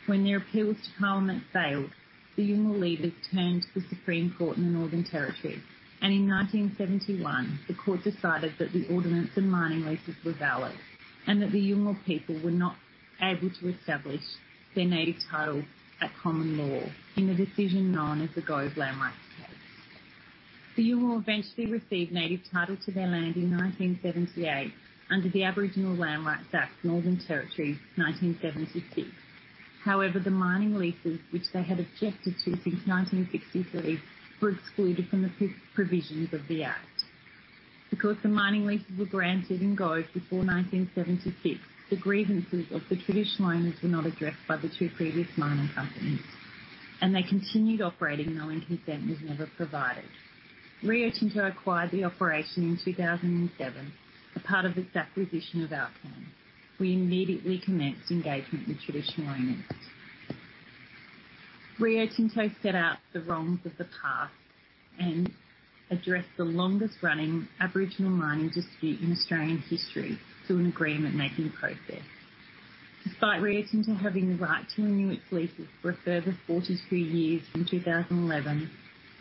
When their appeals to Parliament failed, the Yolŋu leaders turned to the Supreme Court in the Northern Territory, and in 1971, the court decided that the ordinance and mining leases were valid, and that the Yolŋu people were not able to establish their native title at common law in the decision known as the Gove land rights case. TheYolŋu eventually received native title to their land in 1978 under the Aboriginal Land Rights Act (Northern Territory) 1976. The mining leases, which they had objected to since 1963, were excluded from the provisions of the act. Because the mining leases were granted in Gove before 1976, the grievances of Traditional Owners were not addressed by the two previous mining companies, and they continued operating, knowing consent was never provided. Rio Tinto acquired the operation in 2007 as a part of its acquisition of Alcan. We immediately commenced engagement Traditional Owners. Rio Tinto set out the wrongs of the past and addressed the longest-running Aboriginal mining dispute in Australian history through an agreement-making process. Despite Rio Tinto having the right to renew its leases for a further 42 years in 2011,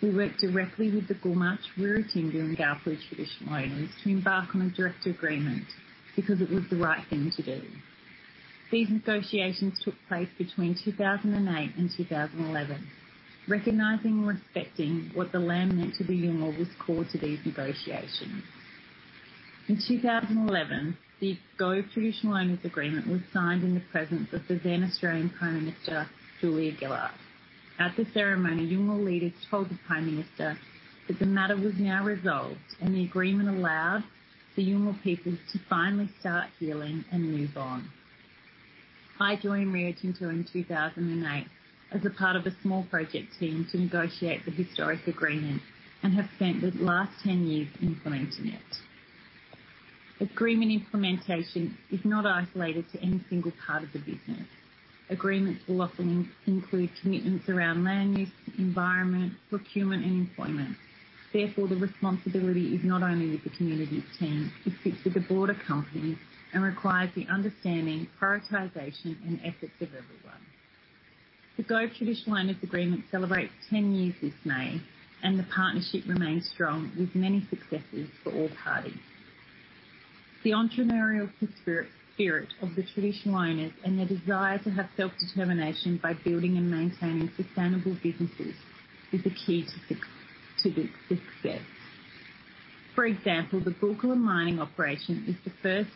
we worked directly with the Gumatj, Rirratjingu, and Traditional Owners to embark on a direct agreement because it was the right thing to do. These negotiations took place between 2008 and 2011. Recognizing and respecting what the land meant to the Yolŋu was core to these negotiations. In 2011, the Traditional Owners agreement was signed in the presence of the then Australian Prime Minister, Julia Gillard. At the ceremony, Yolŋu leaders told the Prime Minister that the matter was now resolved, and the agreement allowed the Yolŋu peoples to finally start healing and move on. I joined Rio Tinto in 2008 as a part of a small project team to negotiate the historic agreement and have spent the last 10 years implementing it. Agreement implementation is not isolated to any single part of the business. Agreements will often include commitments around land use, environment, procurement, and employment. Therefore, the responsibility is not only with the communities team. It sits with the broader company and requires the understanding, prioritization, and efforts of everyone. The Traditional Owners agreement celebrates 10 years this May, and the partnership remains strong with many successes for all parties. The entrepreneurial spirit of Traditional Owners and their desire to have self-determination by building and maintaining sustainable businesses is the key to the success. For example, the Gulkula mining operation is the first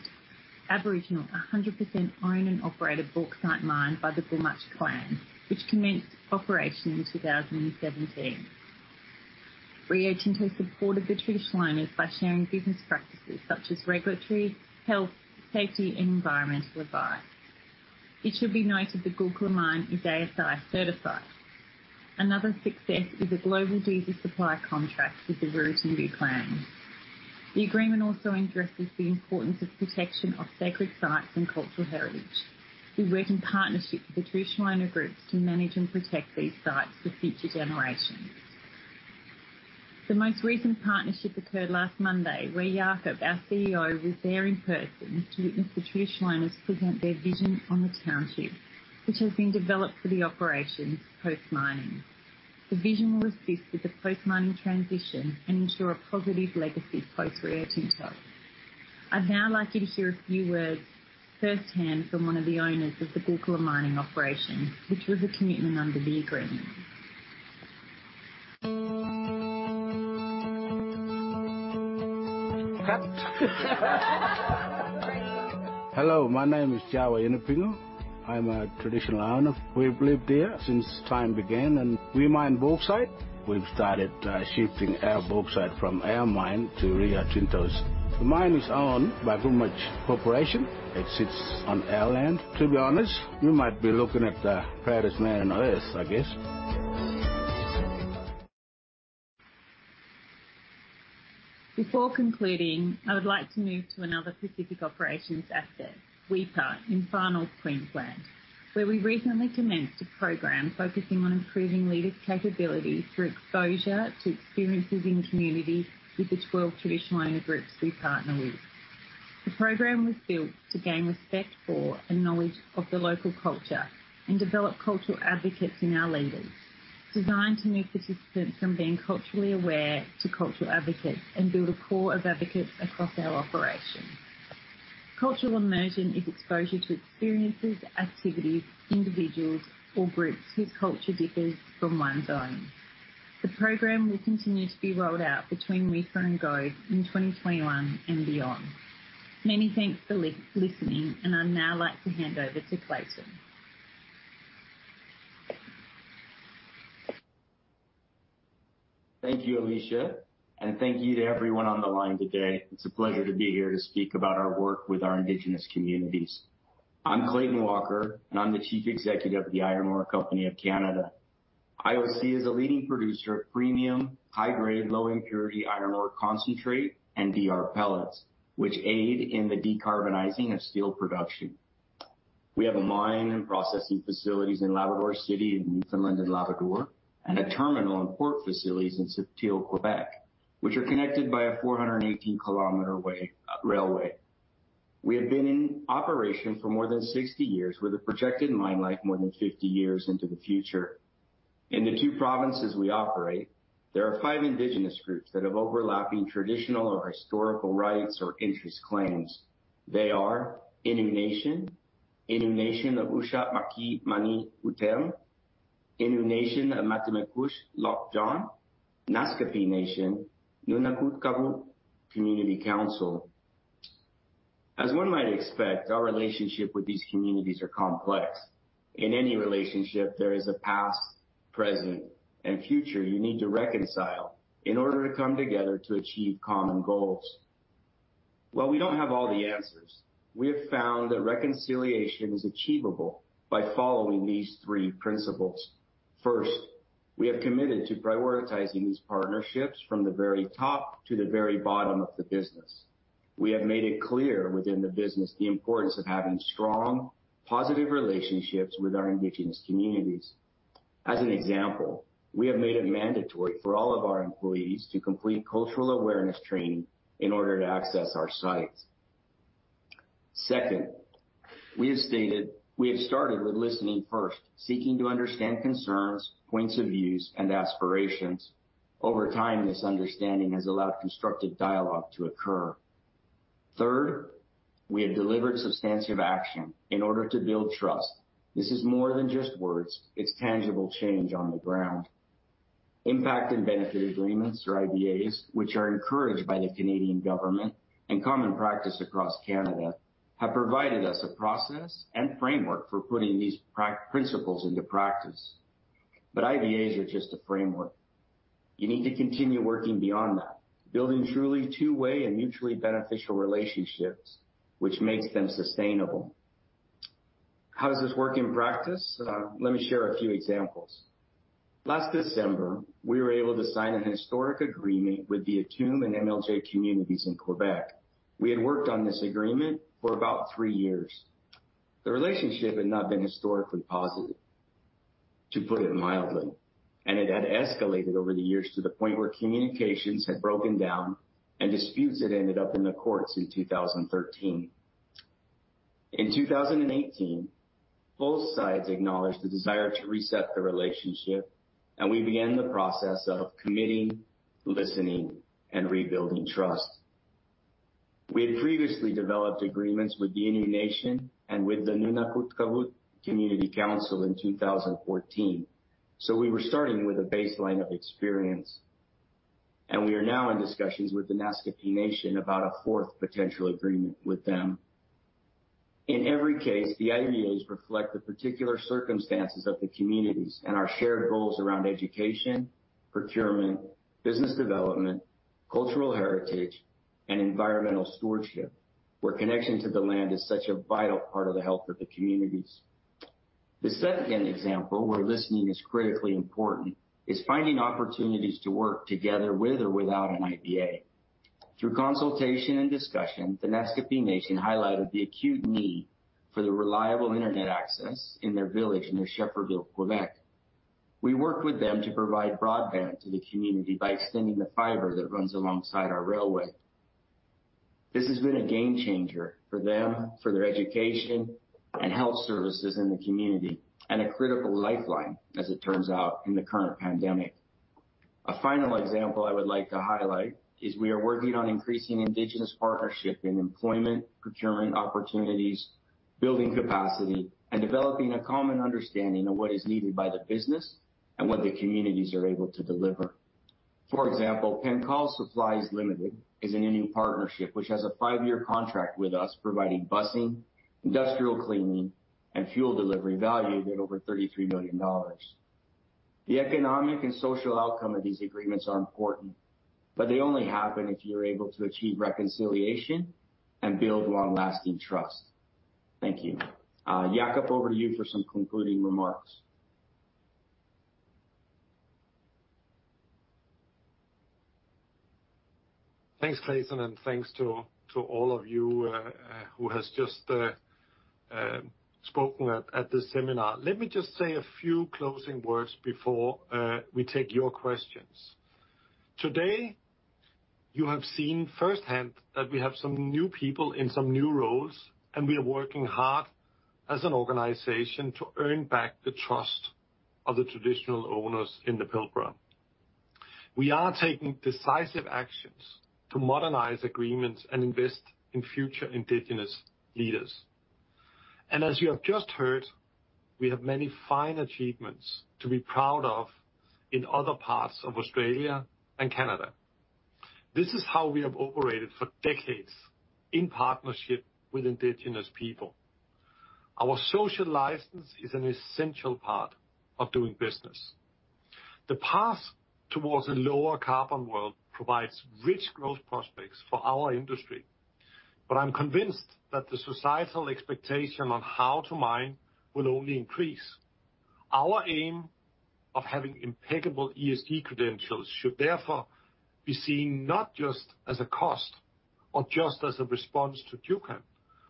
Aboriginal 100% owned and operated bauxite mine by the Gumatj clan, which commenced operation in 2017. Rio Tinto supported Traditional Owners by sharing business practices such as regulatory, health, safety, and environmental advice. It should be noted the Gulkula mine is ASI certified. Another success is a global diesel supply contract with the Rirratjingu clan. The agreement also addresses the importance of protection of sacred sites and cultural heritage. We work in partnership with the traditional owner groups to manage and protect these sites for future generations. The most recent partnership occurred last Monday, where Jakob, our CEO, was there in person to witness Traditional Owners present their vision on the township, which has been developed for the operations post-mining. The vision will assist with the post-mining transition and ensure a positive legacy post-Rio Tinto. I'd now like you to hear a few words firsthand from one of the owners of the Gulkula Mining Operation, which was a commitment under the agreement. Hello, my name is Djawa Yunupingu. I'm a Traditional Owner. We've lived here since time began, and we mine bauxite. We've started shifting our bauxite from our mine to Rio Tinto's. The mine is owned by Gumatj Corporation. It sits on our land. To be honest, you might be looking at the proudest man on Earth, I guess. Before concluding, I would like to move to another Pacific Operations asset, Weipa in Far North Queensland, where we recently commenced a program focusing on improving leaders' capabilities through exposure to experiences in communities with the 12 Traditional Owner groups we partner with. The program was built to gain respect for and knowledge of the local culture and develop cultural advocates in our leaders. Designed to move participants from being culturally aware to cultural advocates and build a core of advocates across our operations. Cultural immersion is exposure to experiences, activities, individuals, or groups whose culture differs from one's own. The program will continue to be rolled out between Weipa and Gove in 2021 and beyond. Many thanks for listening, I'd now like to hand over to Clayton. Thank you, Alicia, and thank you to everyone on the line today. It's a pleasure to be here to speak about our work with our Indigenous communities. I'm Clayton Walker, and I'm the Chief Executive of the Iron Ore Company of Canada. IOC is a leading producer of premium, high-grade, low-impurity iron ore concentrate and DR pellets, which aid in the decarbonizing of steel production. We have a mine and processing facilities in Labrador City in Newfoundland and Labrador, and a terminal and port facilities in Sept-Îles, Quebec, which are connected by a 418-kilometer railway. We have been in operation for more than 60 years with a projected mine life more than 50 years into the future. In the two provinces we operate, there are five Indigenous groups that have overlapping traditional or historical rights or interest claims. They are Innu Nation, Innu Nation of Uashat Mak Mani-Utenam, Innu Nation of Matimekush-Lac John, Naskapi Nation, NunatuKavut Community Council. As one might expect, our relationship with these communities are complex. In any relationship, there is a past, present, and future you need to reconcile in order to come together to achieve common goals. While we don't have all the answers, we have found that reconciliation is achievable by following these three principles. First, we have committed to prioritizing these partnerships from the very top to the very bottom of the business. We have made it clear within the business the importance of having strong, positive relationships with our Indigenous communities. As an example, we have made it mandatory for all of our employees to complete cultural awareness training in order to access our sites. Second, we have started with listening first, seeking to understand concerns, points of views, and aspirations. Over time, this understanding has allowed constructive dialogue to occur. Third, we have delivered substantive action in order to build trust. This is more than just words, it's tangible change on the ground. Impact and Benefit Agreements, or IBAs, which are encouraged by the Canadian government and common practice across Canada, have provided us a process and framework for putting these principles into practice. IBAs are just a framework. You need to continue working beyond that, building truly two-way and mutually beneficial relationships, which makes them sustainable. How does this work in practice? Let me share a few examples. Last December, we were able to sign a historic agreement with the Atikamekw and MLJ communities in Quebec. We had worked on this agreement for about three years. The relationship had not been historically positive, to put it mildly, and it had escalated over the years to the point where communications had broken down and disputes had ended up in the courts in 2013. In 2018, both sides acknowledged the desire to reset the relationship, and we began the process of committing, listening, and rebuilding trust. We had previously developed agreements with the Innu Nation and with the NunatuKavut Community Council in 2014, so we were starting with a baseline of experience, and we are now in discussions with the Naskapi Nation about a fourth potential agreement with them. In every case, the IBAs reflect the particular circumstances of the communities and our shared goals around education, procurement, business development, cultural heritage, and environmental stewardship, where connection to the land is such a vital part of the health of the communities. The second example where listening is critically important is finding opportunities to work together with or without an IBA. Through consultation and discussion, the Naskapi Nation highlighted the acute need for the reliable internet access in their village near Schefferville, Quebec. We worked with them to provide broadband to the community by extending the fiber that runs alongside our railway. This has been a game changer for them, for their education and health services in the community, and a critical lifeline as it turns out in the current pandemic. A final example I would like to highlight is we are working on increasing Indigenous partnership in employment, procurement opportunities, building capacity, and developing a common understanding of what is needed by the business and what the communities are able to deliver. For example, Penkall Supplies Limited is a new partnership, which has a five-year contract with us, providing busing, industrial cleaning, and fuel delivery valued at over $33 million. The economic and social outcome of these agreements are important, but they only happen if you're able to achieve reconciliation and build long-lasting trust. Thank you. Jakob, over to you for some concluding remarks. Thanks, Clayton, and thanks to all of you who has just spoken at this seminar. Let me just say a few closing words before we take your questions. Today, you have seen firsthand that we have some new people in some new roles, and we are working hard as an organization to earn back the trust of the Traditional Owners in the Pilbara. We are taking decisive actions to modernize agreements and invest in future indigenous leaders. As you have just heard, we have many fine achievements to be proud of in other parts of Australia and Canada. This is how we have operated for decades in partnership with indigenous people. Our social license is an essential part of doing business. The path towards a lower carbon world provides rich growth prospects for our industry. I'm convinced that the societal expectation on how to mine will only increase. Our aim of having impeccable ESG credentials should therefore be seen not just as a cost or just as a response to GCAM,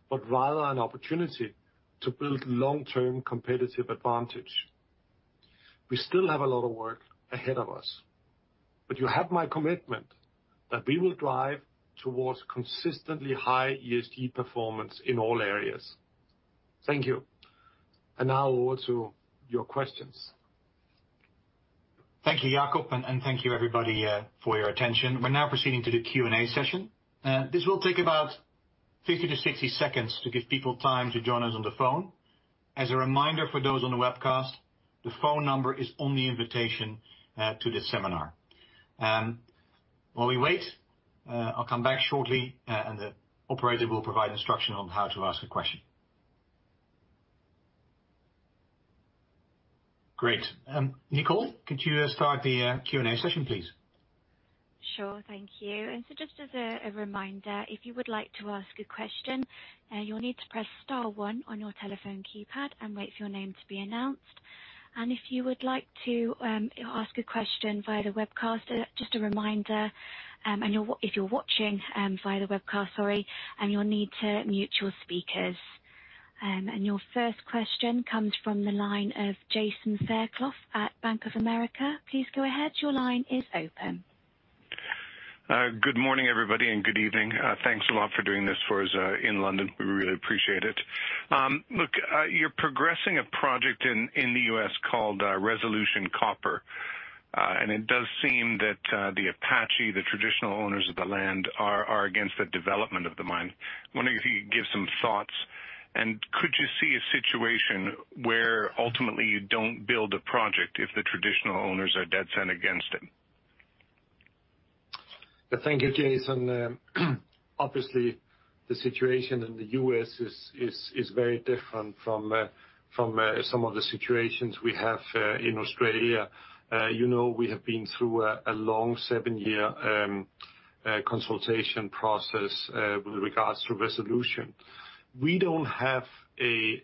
but rather an opportunity to build long-term competitive advantage. We still have a lot of work ahead of us, but you have my commitment that we will drive towards consistently high ESG performance in all areas. Thank you. Now over to your questions. Thank you, Jakob, and thank you, everybody, for your attention. We're now proceeding to the Q&A session. This will take about 50 to 60 seconds to give people time to join us on the phone. As a reminder for those on the webcast, the phone number is on the invitation to this seminar. While we wait, I'll come back shortly, and the operator will provide instruction on how to ask a question. Great. Nicole, could you start the Q&A session, please? Sure. Thank you. Just as a reminder, if you would like to ask a question, you'll need to press star one on your telephone keypad and wait for your name to be announced. If you would like to ask a question via the webcast, just a reminder, if you're watching via the webcast, sorry, and you'll need to mute your speakers. Your first question comes from the line of Jason Fairclough at Bank of America. Please go ahead. Your line is open. Good morning, everybody, and good evening. Thanks a lot for doing this for us in London. We really appreciate it. You're progressing a project in the U.S. called Resolution Copper, and it does seem that the Apache, the Traditional Owners of the land, are against the development of the mine. I'm wondering if you could give some thoughts. Could you see a situation where ultimately you don't build a project if the Traditional Owners are dead set against it? Thank you, Jason. Obviously, the situation in the U.S. is very different from some of the situations we have in Australia. We have been through a long seven-year consultation process with regards to Resolution. We don't have a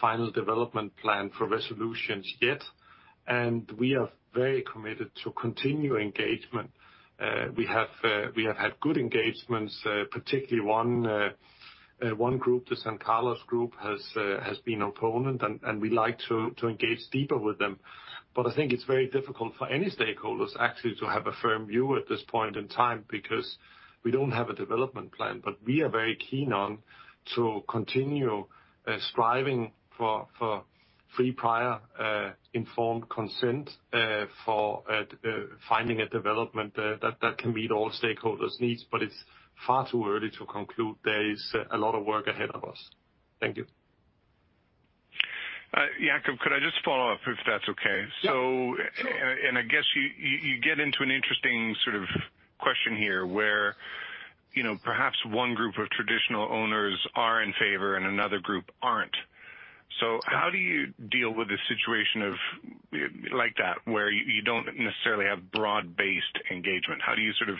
final development plan for Resolution yet. We are very committed to continue engagement. We have had good engagements, particularly one group, the San Carlos Group, has been opponent. We like to engage deeper with them. I think it's very difficult for any stakeholders actually to have a firm view at this point in time because we don't have a development plan. We are very keen on to continue striving for free prior informed consent for finding a development that can meet all stakeholders' needs, but it's far too early to conclude. There is a lot of work ahead of us. Thank you. Jakob, could I just follow up, if that's okay? Yeah. Sure. I guess you get into an interesting sort of question here where perhaps one group Traditional Owners are in favor and another group aren't. How do you deal with a situation like that, where you don't necessarily have broad-based engagement? How do you sort of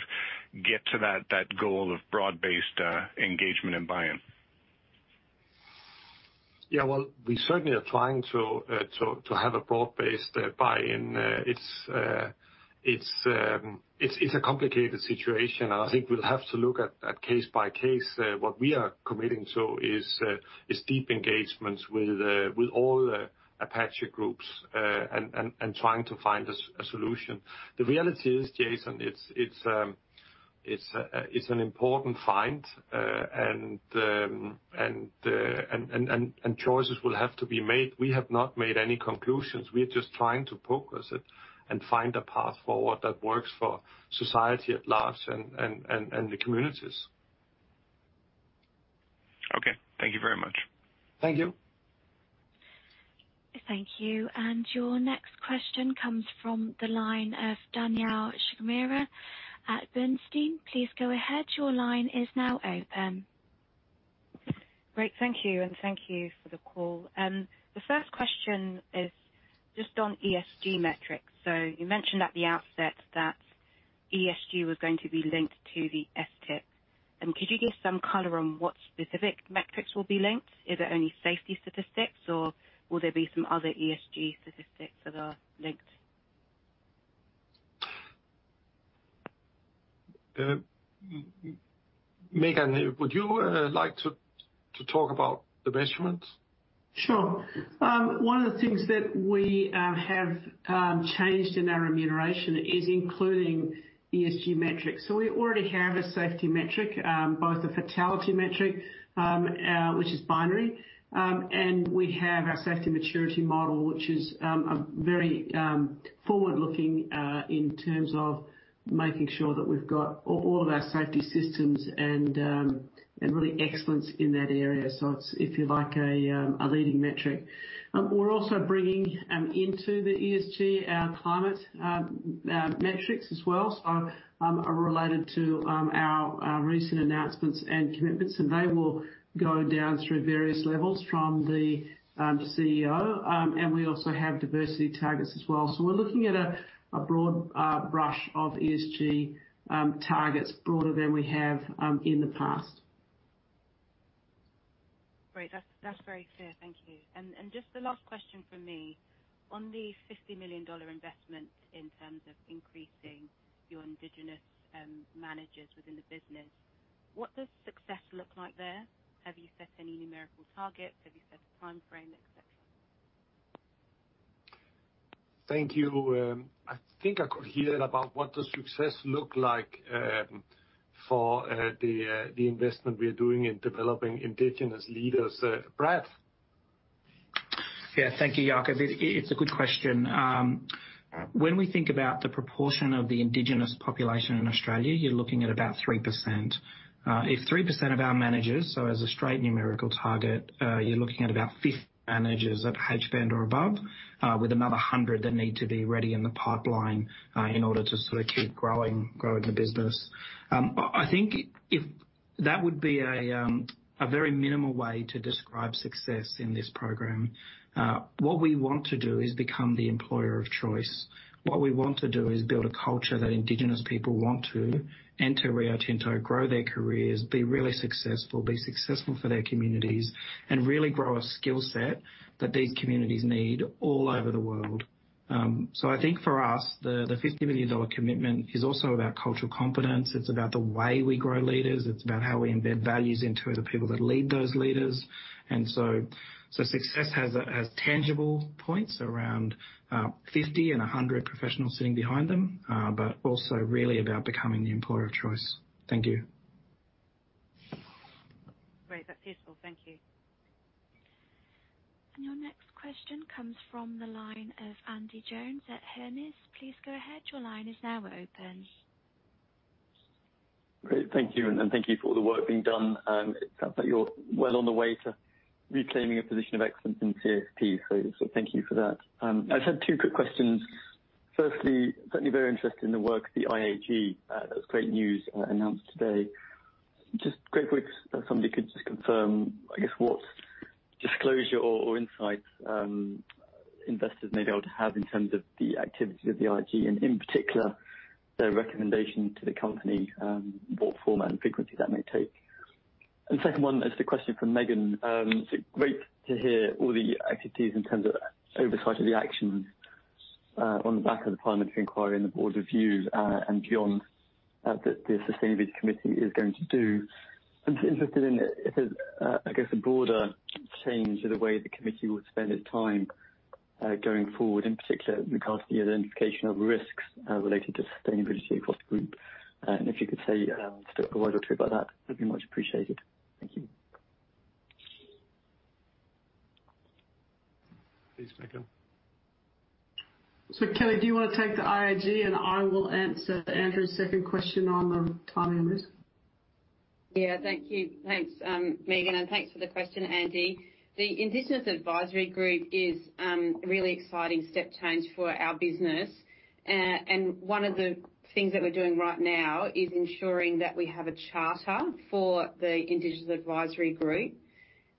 get to that goal of broad-based engagement and buy-in? Yeah. Well, we certainly are trying to have a broad-based buy-in. It's a complicated situation. I think we'll have to look at case-by-case. What we are committing to is deep engagements with all Apache groups and trying to find a solution. The reality is, Jason, it's an important find. Choices will have to be made. We have not made any conclusions. We are just trying to focus it and find a path forward that works for society at large and the communities. Okay. Thank you very much. Thank you. Thank you. Your next question comes from the line of Danielle Chigumira at Bernstein. Please go ahead. Your line is now open. Great. Thank you. Thank you for the call. The first question is just on ESG metrics. You mentioned at the outset that ESG was going to be linked to the STIP. Could you give some color on what specific metrics will be linked? Is it only safety statistics, or will there be some other ESG statistics that are linked? Megan, would you like to talk about the measurements? Sure. One of the things that we have changed in our remuneration is including ESG metrics. We already have a safety metric, both a fatality metric, which is binary, and we have our safety maturity model, which is very forward-looking in terms of making sure that we've got all of our safety systems and really excellence in that area. It's, if you like, a leading metric. We're also bringing into the ESG our climate metrics as well, so are related to our recent announcements and commitments, and they will go down through various levels from the CEO. We also have diversity targets as well. We're looking at a broad brush of ESG targets, broader than we have in the past. Great. That's very clear. Thank you. Just the last question from me. On the $50 million investment in terms of increasing your Indigenous managers within the business, what does success look like there? Have you set any numerical targets? Have you set a timeframe, et cetera? Thank you. I think I could hear about what does success look like for the investment we are doing in developing indigenous leaders. Brad? Thank you, Jakob. It's a good question. When we think about the proportion of the indigenous population in Australia, you're looking at about 3%. If 3% of our managers, as a straight numerical target, you're looking at about 50 managers of hedge fund or above, with another 100 that need to be ready in the pipeline in order to sort of keep growing the business. I think that would be a very minimal way to describe success in this program. What we want to do is become the employer of choice. What we want to do is build a culture that indigenous people want to enter Rio Tinto, grow their careers, be really successful, be successful for their communities, and really grow a skill set that these communities need all over the world. I think for us, the $50 million commitment is also about cultural competence. It's about the way we grow leaders. It's about how we embed values into the people that lead those leaders. Success has tangible points around 50 and 100 professionals sitting behind them, but also really about becoming the employer of choice. Thank you. Great. That's useful. Thank you. Your next question comes from the line of Andy Jones at Hermes. Please go ahead. Your line is now open. Great. Thank you. Thank you for all the work being done. It sounds like you're well on the way to reclaiming a position of excellence in CSP. Thank you for that. I just had two quick questions. Firstly, certainly very interested in the work of the IAG. That's great news announced today. Just quickly, if somebody could just confirm, I guess, what disclosure or insights investors may be able to have in terms of the activity of the IAG and, in particular, their recommendation to the company, what format and frequency that may take. Second one is the question from Megan. It's great to hear all the activities in terms of oversight of the action on the back of the parliamentary inquiry and the board review and beyond that the Sustainability Committee is going to do. I'm just interested in if there's a broader change to the way the committee will spend its time going forward, in particular with regards to the identification of risks related to sustainability across the group. If you could say a word or two about that'd be much appreciated. Thank you. Please, Megan. Kellie, do you want to take the IAG, and I will answer Andrew's second question on timing and risk? Thank you. Thanks, Megan, and thanks for the question, Andy. The Indigenous Advisory Group is a really exciting step change for our business. One of the things that we're doing right now is ensuring that we have a charter for the Indigenous Advisory Group.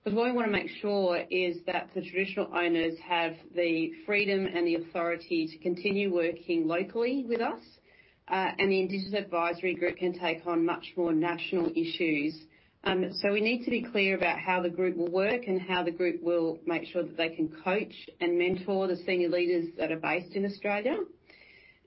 Because what we want to make sure is that Traditional Owners have the freedom and the authority to continue working locally with us, and the Indigenous Advisory Group can take on much more national issues. We need to be clear about how the group will work and how the group will make sure that they can coach and mentor the senior leaders that are based in Australia.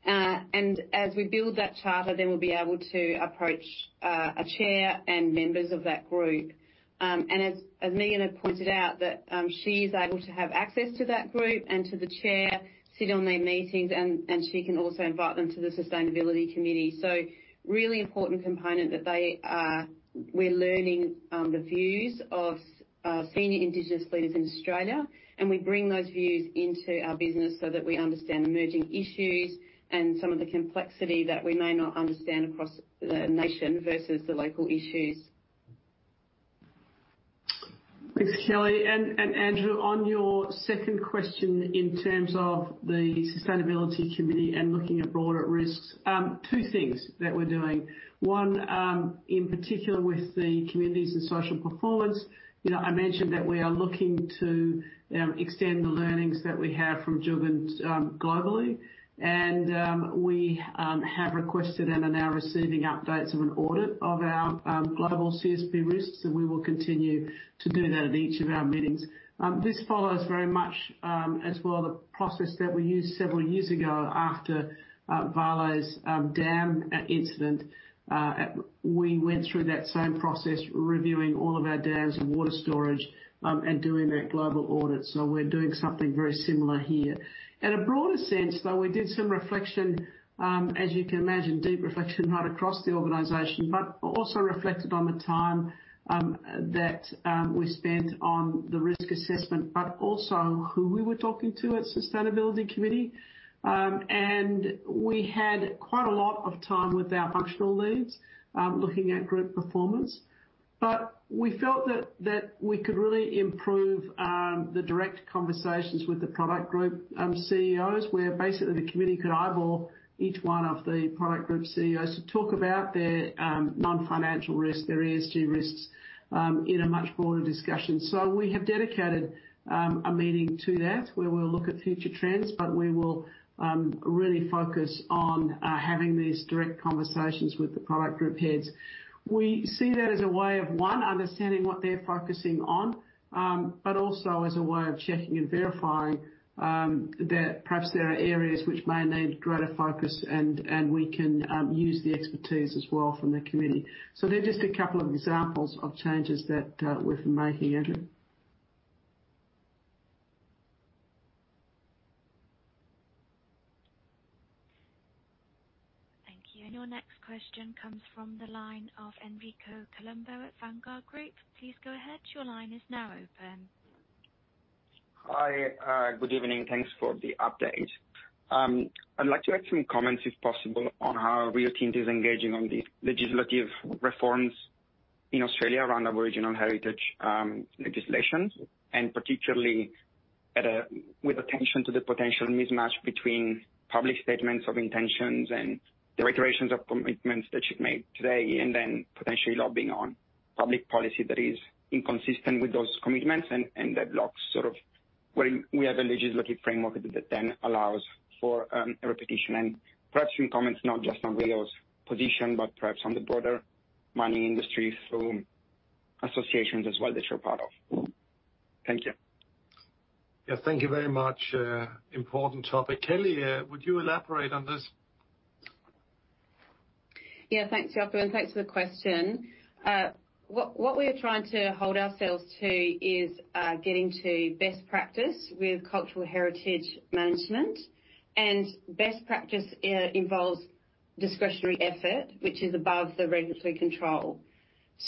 As we build that charter, we'll be able to approach a chair and members of that group. As Megan had pointed out, that she is able to have access to that group and to the chair, sit on their meetings, and she can also invite them to the Sustainability Committee. Really important component that we're learning the views of senior Indigenous leaders in Australia, and we bring those views into our business so that we understand emerging issues and some of the complexity that we may not understand across the nation versus the local issues. Thanks, Kellie. Andrew, on your second question in terms of the Sustainability Committee and looking at broader risks, two things that we're doing. One, in particular with the communities and social performance. I mentioned that we are looking to extend the learnings that we have from Juukan globally. We have requested and are now receiving updates of an audit of our global CSP risks, and we will continue to do that at each of our meetings. This follows very much, as well, the process that we used several years ago after Vale's dam incident. We went through that same process, reviewing all of our dams and water storage, and doing that global audit. We're doing something very similar here. In a broader sense, though, we did some reflection, as you can imagine, deep reflection right across the organization, but also reflected on the time that we spent on the risk assessment, but also who we were talking to at Sustainability Committee. We had quite a lot of time with our functional leads, looking at group performance. We felt that we could really improve the direct conversations with the product group CEOs, where basically the committee could eyeball each one of the product group CEOs to talk about their non-financial risk, their ESG risks, in a much broader discussion. We have dedicated a meeting to that, where we'll look at future trends, but we will really focus on having these direct conversations with the product group heads. We see that as a way of, one, understanding what they're focusing on, but also as a way of checking and verifying that perhaps there are areas which may need greater focus and we can use the expertise as well from the committee. They're just a couple of examples of changes that we've been making, Andrew. Thank you. Your next question comes from the line of Enrico Colombo at Vanguard Group. Please go ahead. Hi. Good evening. Thanks for the update. I'd like to add some comments, if possible, on how Rio Tinto is engaging on the legislative reforms in Australia around Aboriginal heritage legislation, and particularly with attention to the potential mismatch between public statements of intentions and the reiterations of commitments that you've made today, and then potentially lobbying on public policy that is inconsistent with those commitments and that locks sort of where we have a legislative framework that then allows for a repetition. Perhaps some comments not just on Rio's position, but perhaps on the broader mining industry associations as well that you're part of. Thank you. Yeah. Thank you very much. Important topic. Kellie, would you elaborate on this? Thanks, Jakob. Thanks for the question. What we are trying to hold ourselves to is getting to best practice with cultural heritage management. Best practice involves discretionary effort, which is above the regulatory control.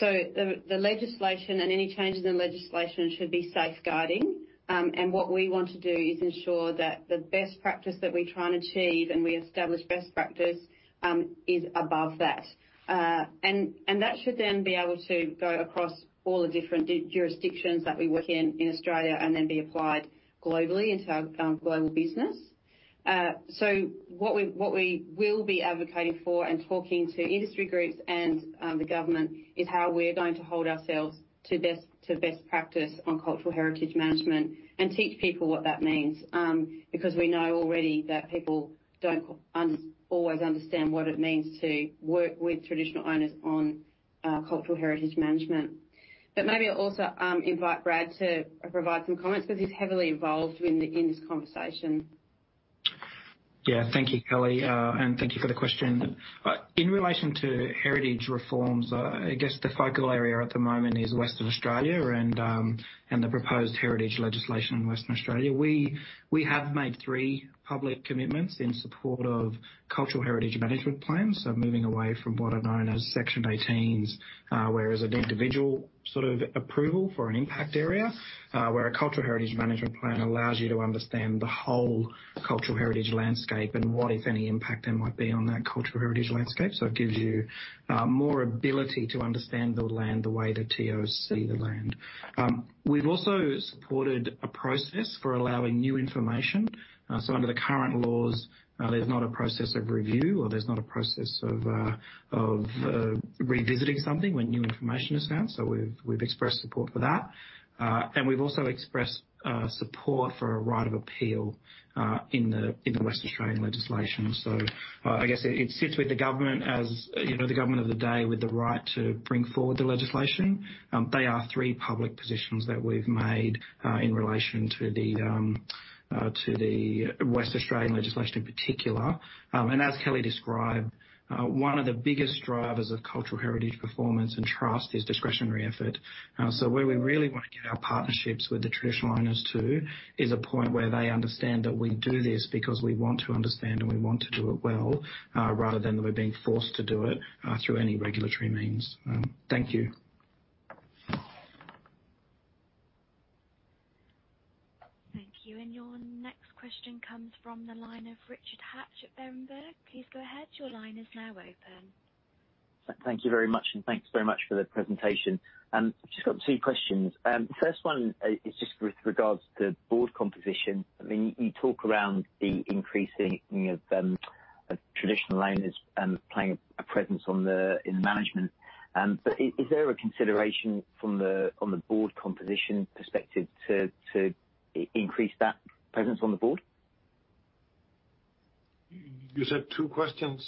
The legislation and any changes in legislation should be safeguarding. What we want to do is ensure that the best practice that we try and achieve, and we establish best practice, is above that. That should then be able to go across all the different jurisdictions that we work in in Australia and then be applied globally into our global business. What we will be advocating for and talking to industry groups and the government is how we're going to hold ourselves to best practice on cultural heritage management and teach people what that means, because we know already that people don't always understand what it means to work Traditional Owners on cultural heritage management. Maybe I'll also invite Brad to provide some comments because he's heavily involved in this conversation. Yeah. Thank you, Kellie, and thank you for the question. In relation to heritage reforms, I guess the focal area at the moment is Western Australia and the proposed heritage legislation in Western Australia. We have made three public commitments in support of cultural heritage management plans, so moving away from what are known as Section 18s, where as an individual sort of approval for an impact area. A cultural heritage management plan allows you to understand the whole cultural heritage landscape and what, if any, impact there might be on that cultural heritage landscape. It gives you more ability to understand the land the way the TOs see the land. We've also supported a process for allowing new information. Under the current laws, there's not a process of review, or there's not a process of revisiting something when new information is found. We've expressed support for that. We've also expressed support for a right of appeal in the West Australian legislation. I guess it sits with the government of the day with the right to bring forward the legislation. They are three public positions that we've made in relation to the West Australian legislation in particular. As Kellie described, one of the biggest drivers of cultural heritage performance and trust is discretionary effort. Where we really want to get our partnerships with Traditional Owners too, is a point where they understand that we do this because we want to understand and we want to do it well, rather than we're being forced to do it through any regulatory means. Thank you. Thank you. Your next question comes from the line of Richard Hatch at Berenberg. Please go ahead. Thank you very much. Thanks very much for the presentation. Just got two questions. First one is just with regards to board composition. You talk around the increasing Traditional Owners playing a presence in management. Is there a consideration on the board composition perspective to increase that presence on the board? You said two questions?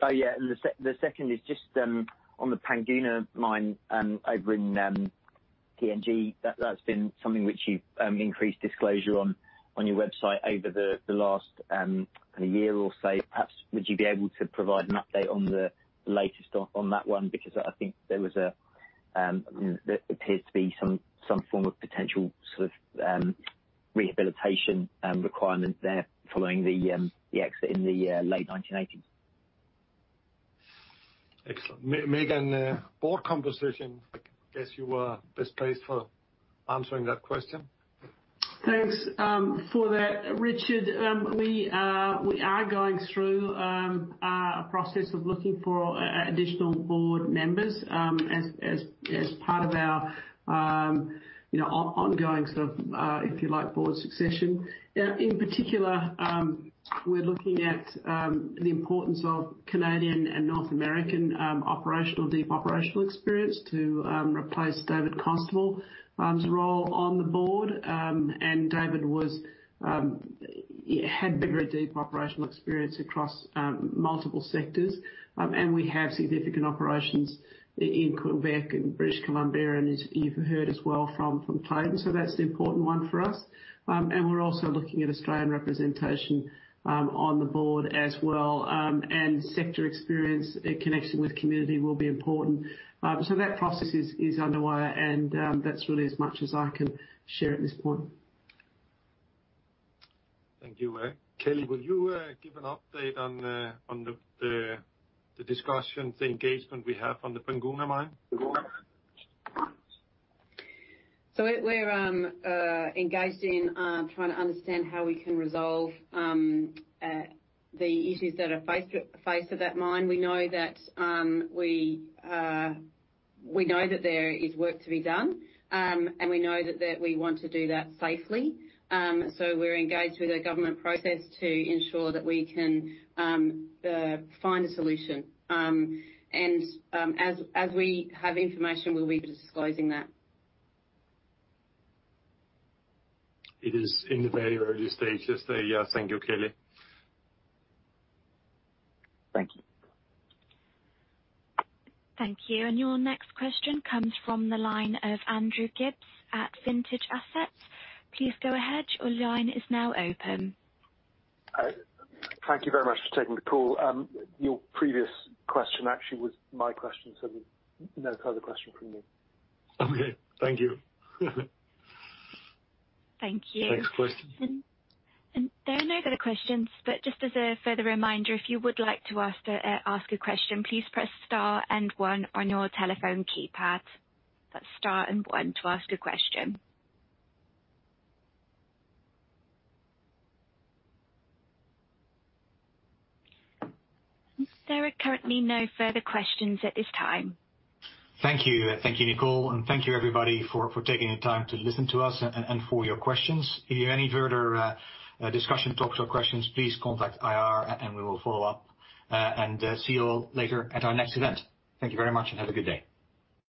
The second is just on the Panguna Mine over in PNG. That's been something which you've increased disclosure on your website over the last year or so. Perhaps would you be able to provide an update on the latest on that one? Because I think there appears to be some form of potential sort of rehabilitation requirement there following the exit in the late 1980s. Excellent. Megan, board composition, I guess you are best placed for answering that question. Thanks for that, Richard. We are going through a process of looking for additional board members as part of our ongoing sort of, if you like, board succession. In particular, we're looking at the importance of Canadian and North American operational, deep operational experience to replace David Constable's role on the board. David had very deep operational experience across multiple sectors. We have significant operations in Quebec and British Columbia, and as you've heard as well from Clayton, so that's the important one for us. We're also looking at Australian representation on the board as well. Sector experience in connection with community will be important. That process is underway and that's really as much as I can share at this point. Thank you. Kellie, will you give an update on the discussions, the engagement we have on the Panguna Mine? We're engaged in trying to understand how we can resolve the issues that are face to face at that mine. We know that there is work to be done, and we know that we want to do that safely. We're engaged with a government process to ensure that we can find a solution. As we have information, we'll be disclosing that. It is in the very early stages. Thank you, Kellie. Thank you. Thank you. Your next question comes from the line of Andrew Gibbs at Vintage Assets. Please go ahead. Thank you very much for taking the call. Your previous question actually was my question. No further question from me. Okay, thank you. Thank you. Next question. There are no further questions, but just as a further reminder, if you would like to ask a question, please press star and one on your telephone keypad. That's star and one to ask a question. There are currently no further questions at this time. Thank you. Thank you, Nicole. Thank you everybody for taking the time to listen to us and for your questions. If you have any further discussion topics or questions, please contact IR and we will follow up. See you all later at our next event. Thank you very much and have a good day.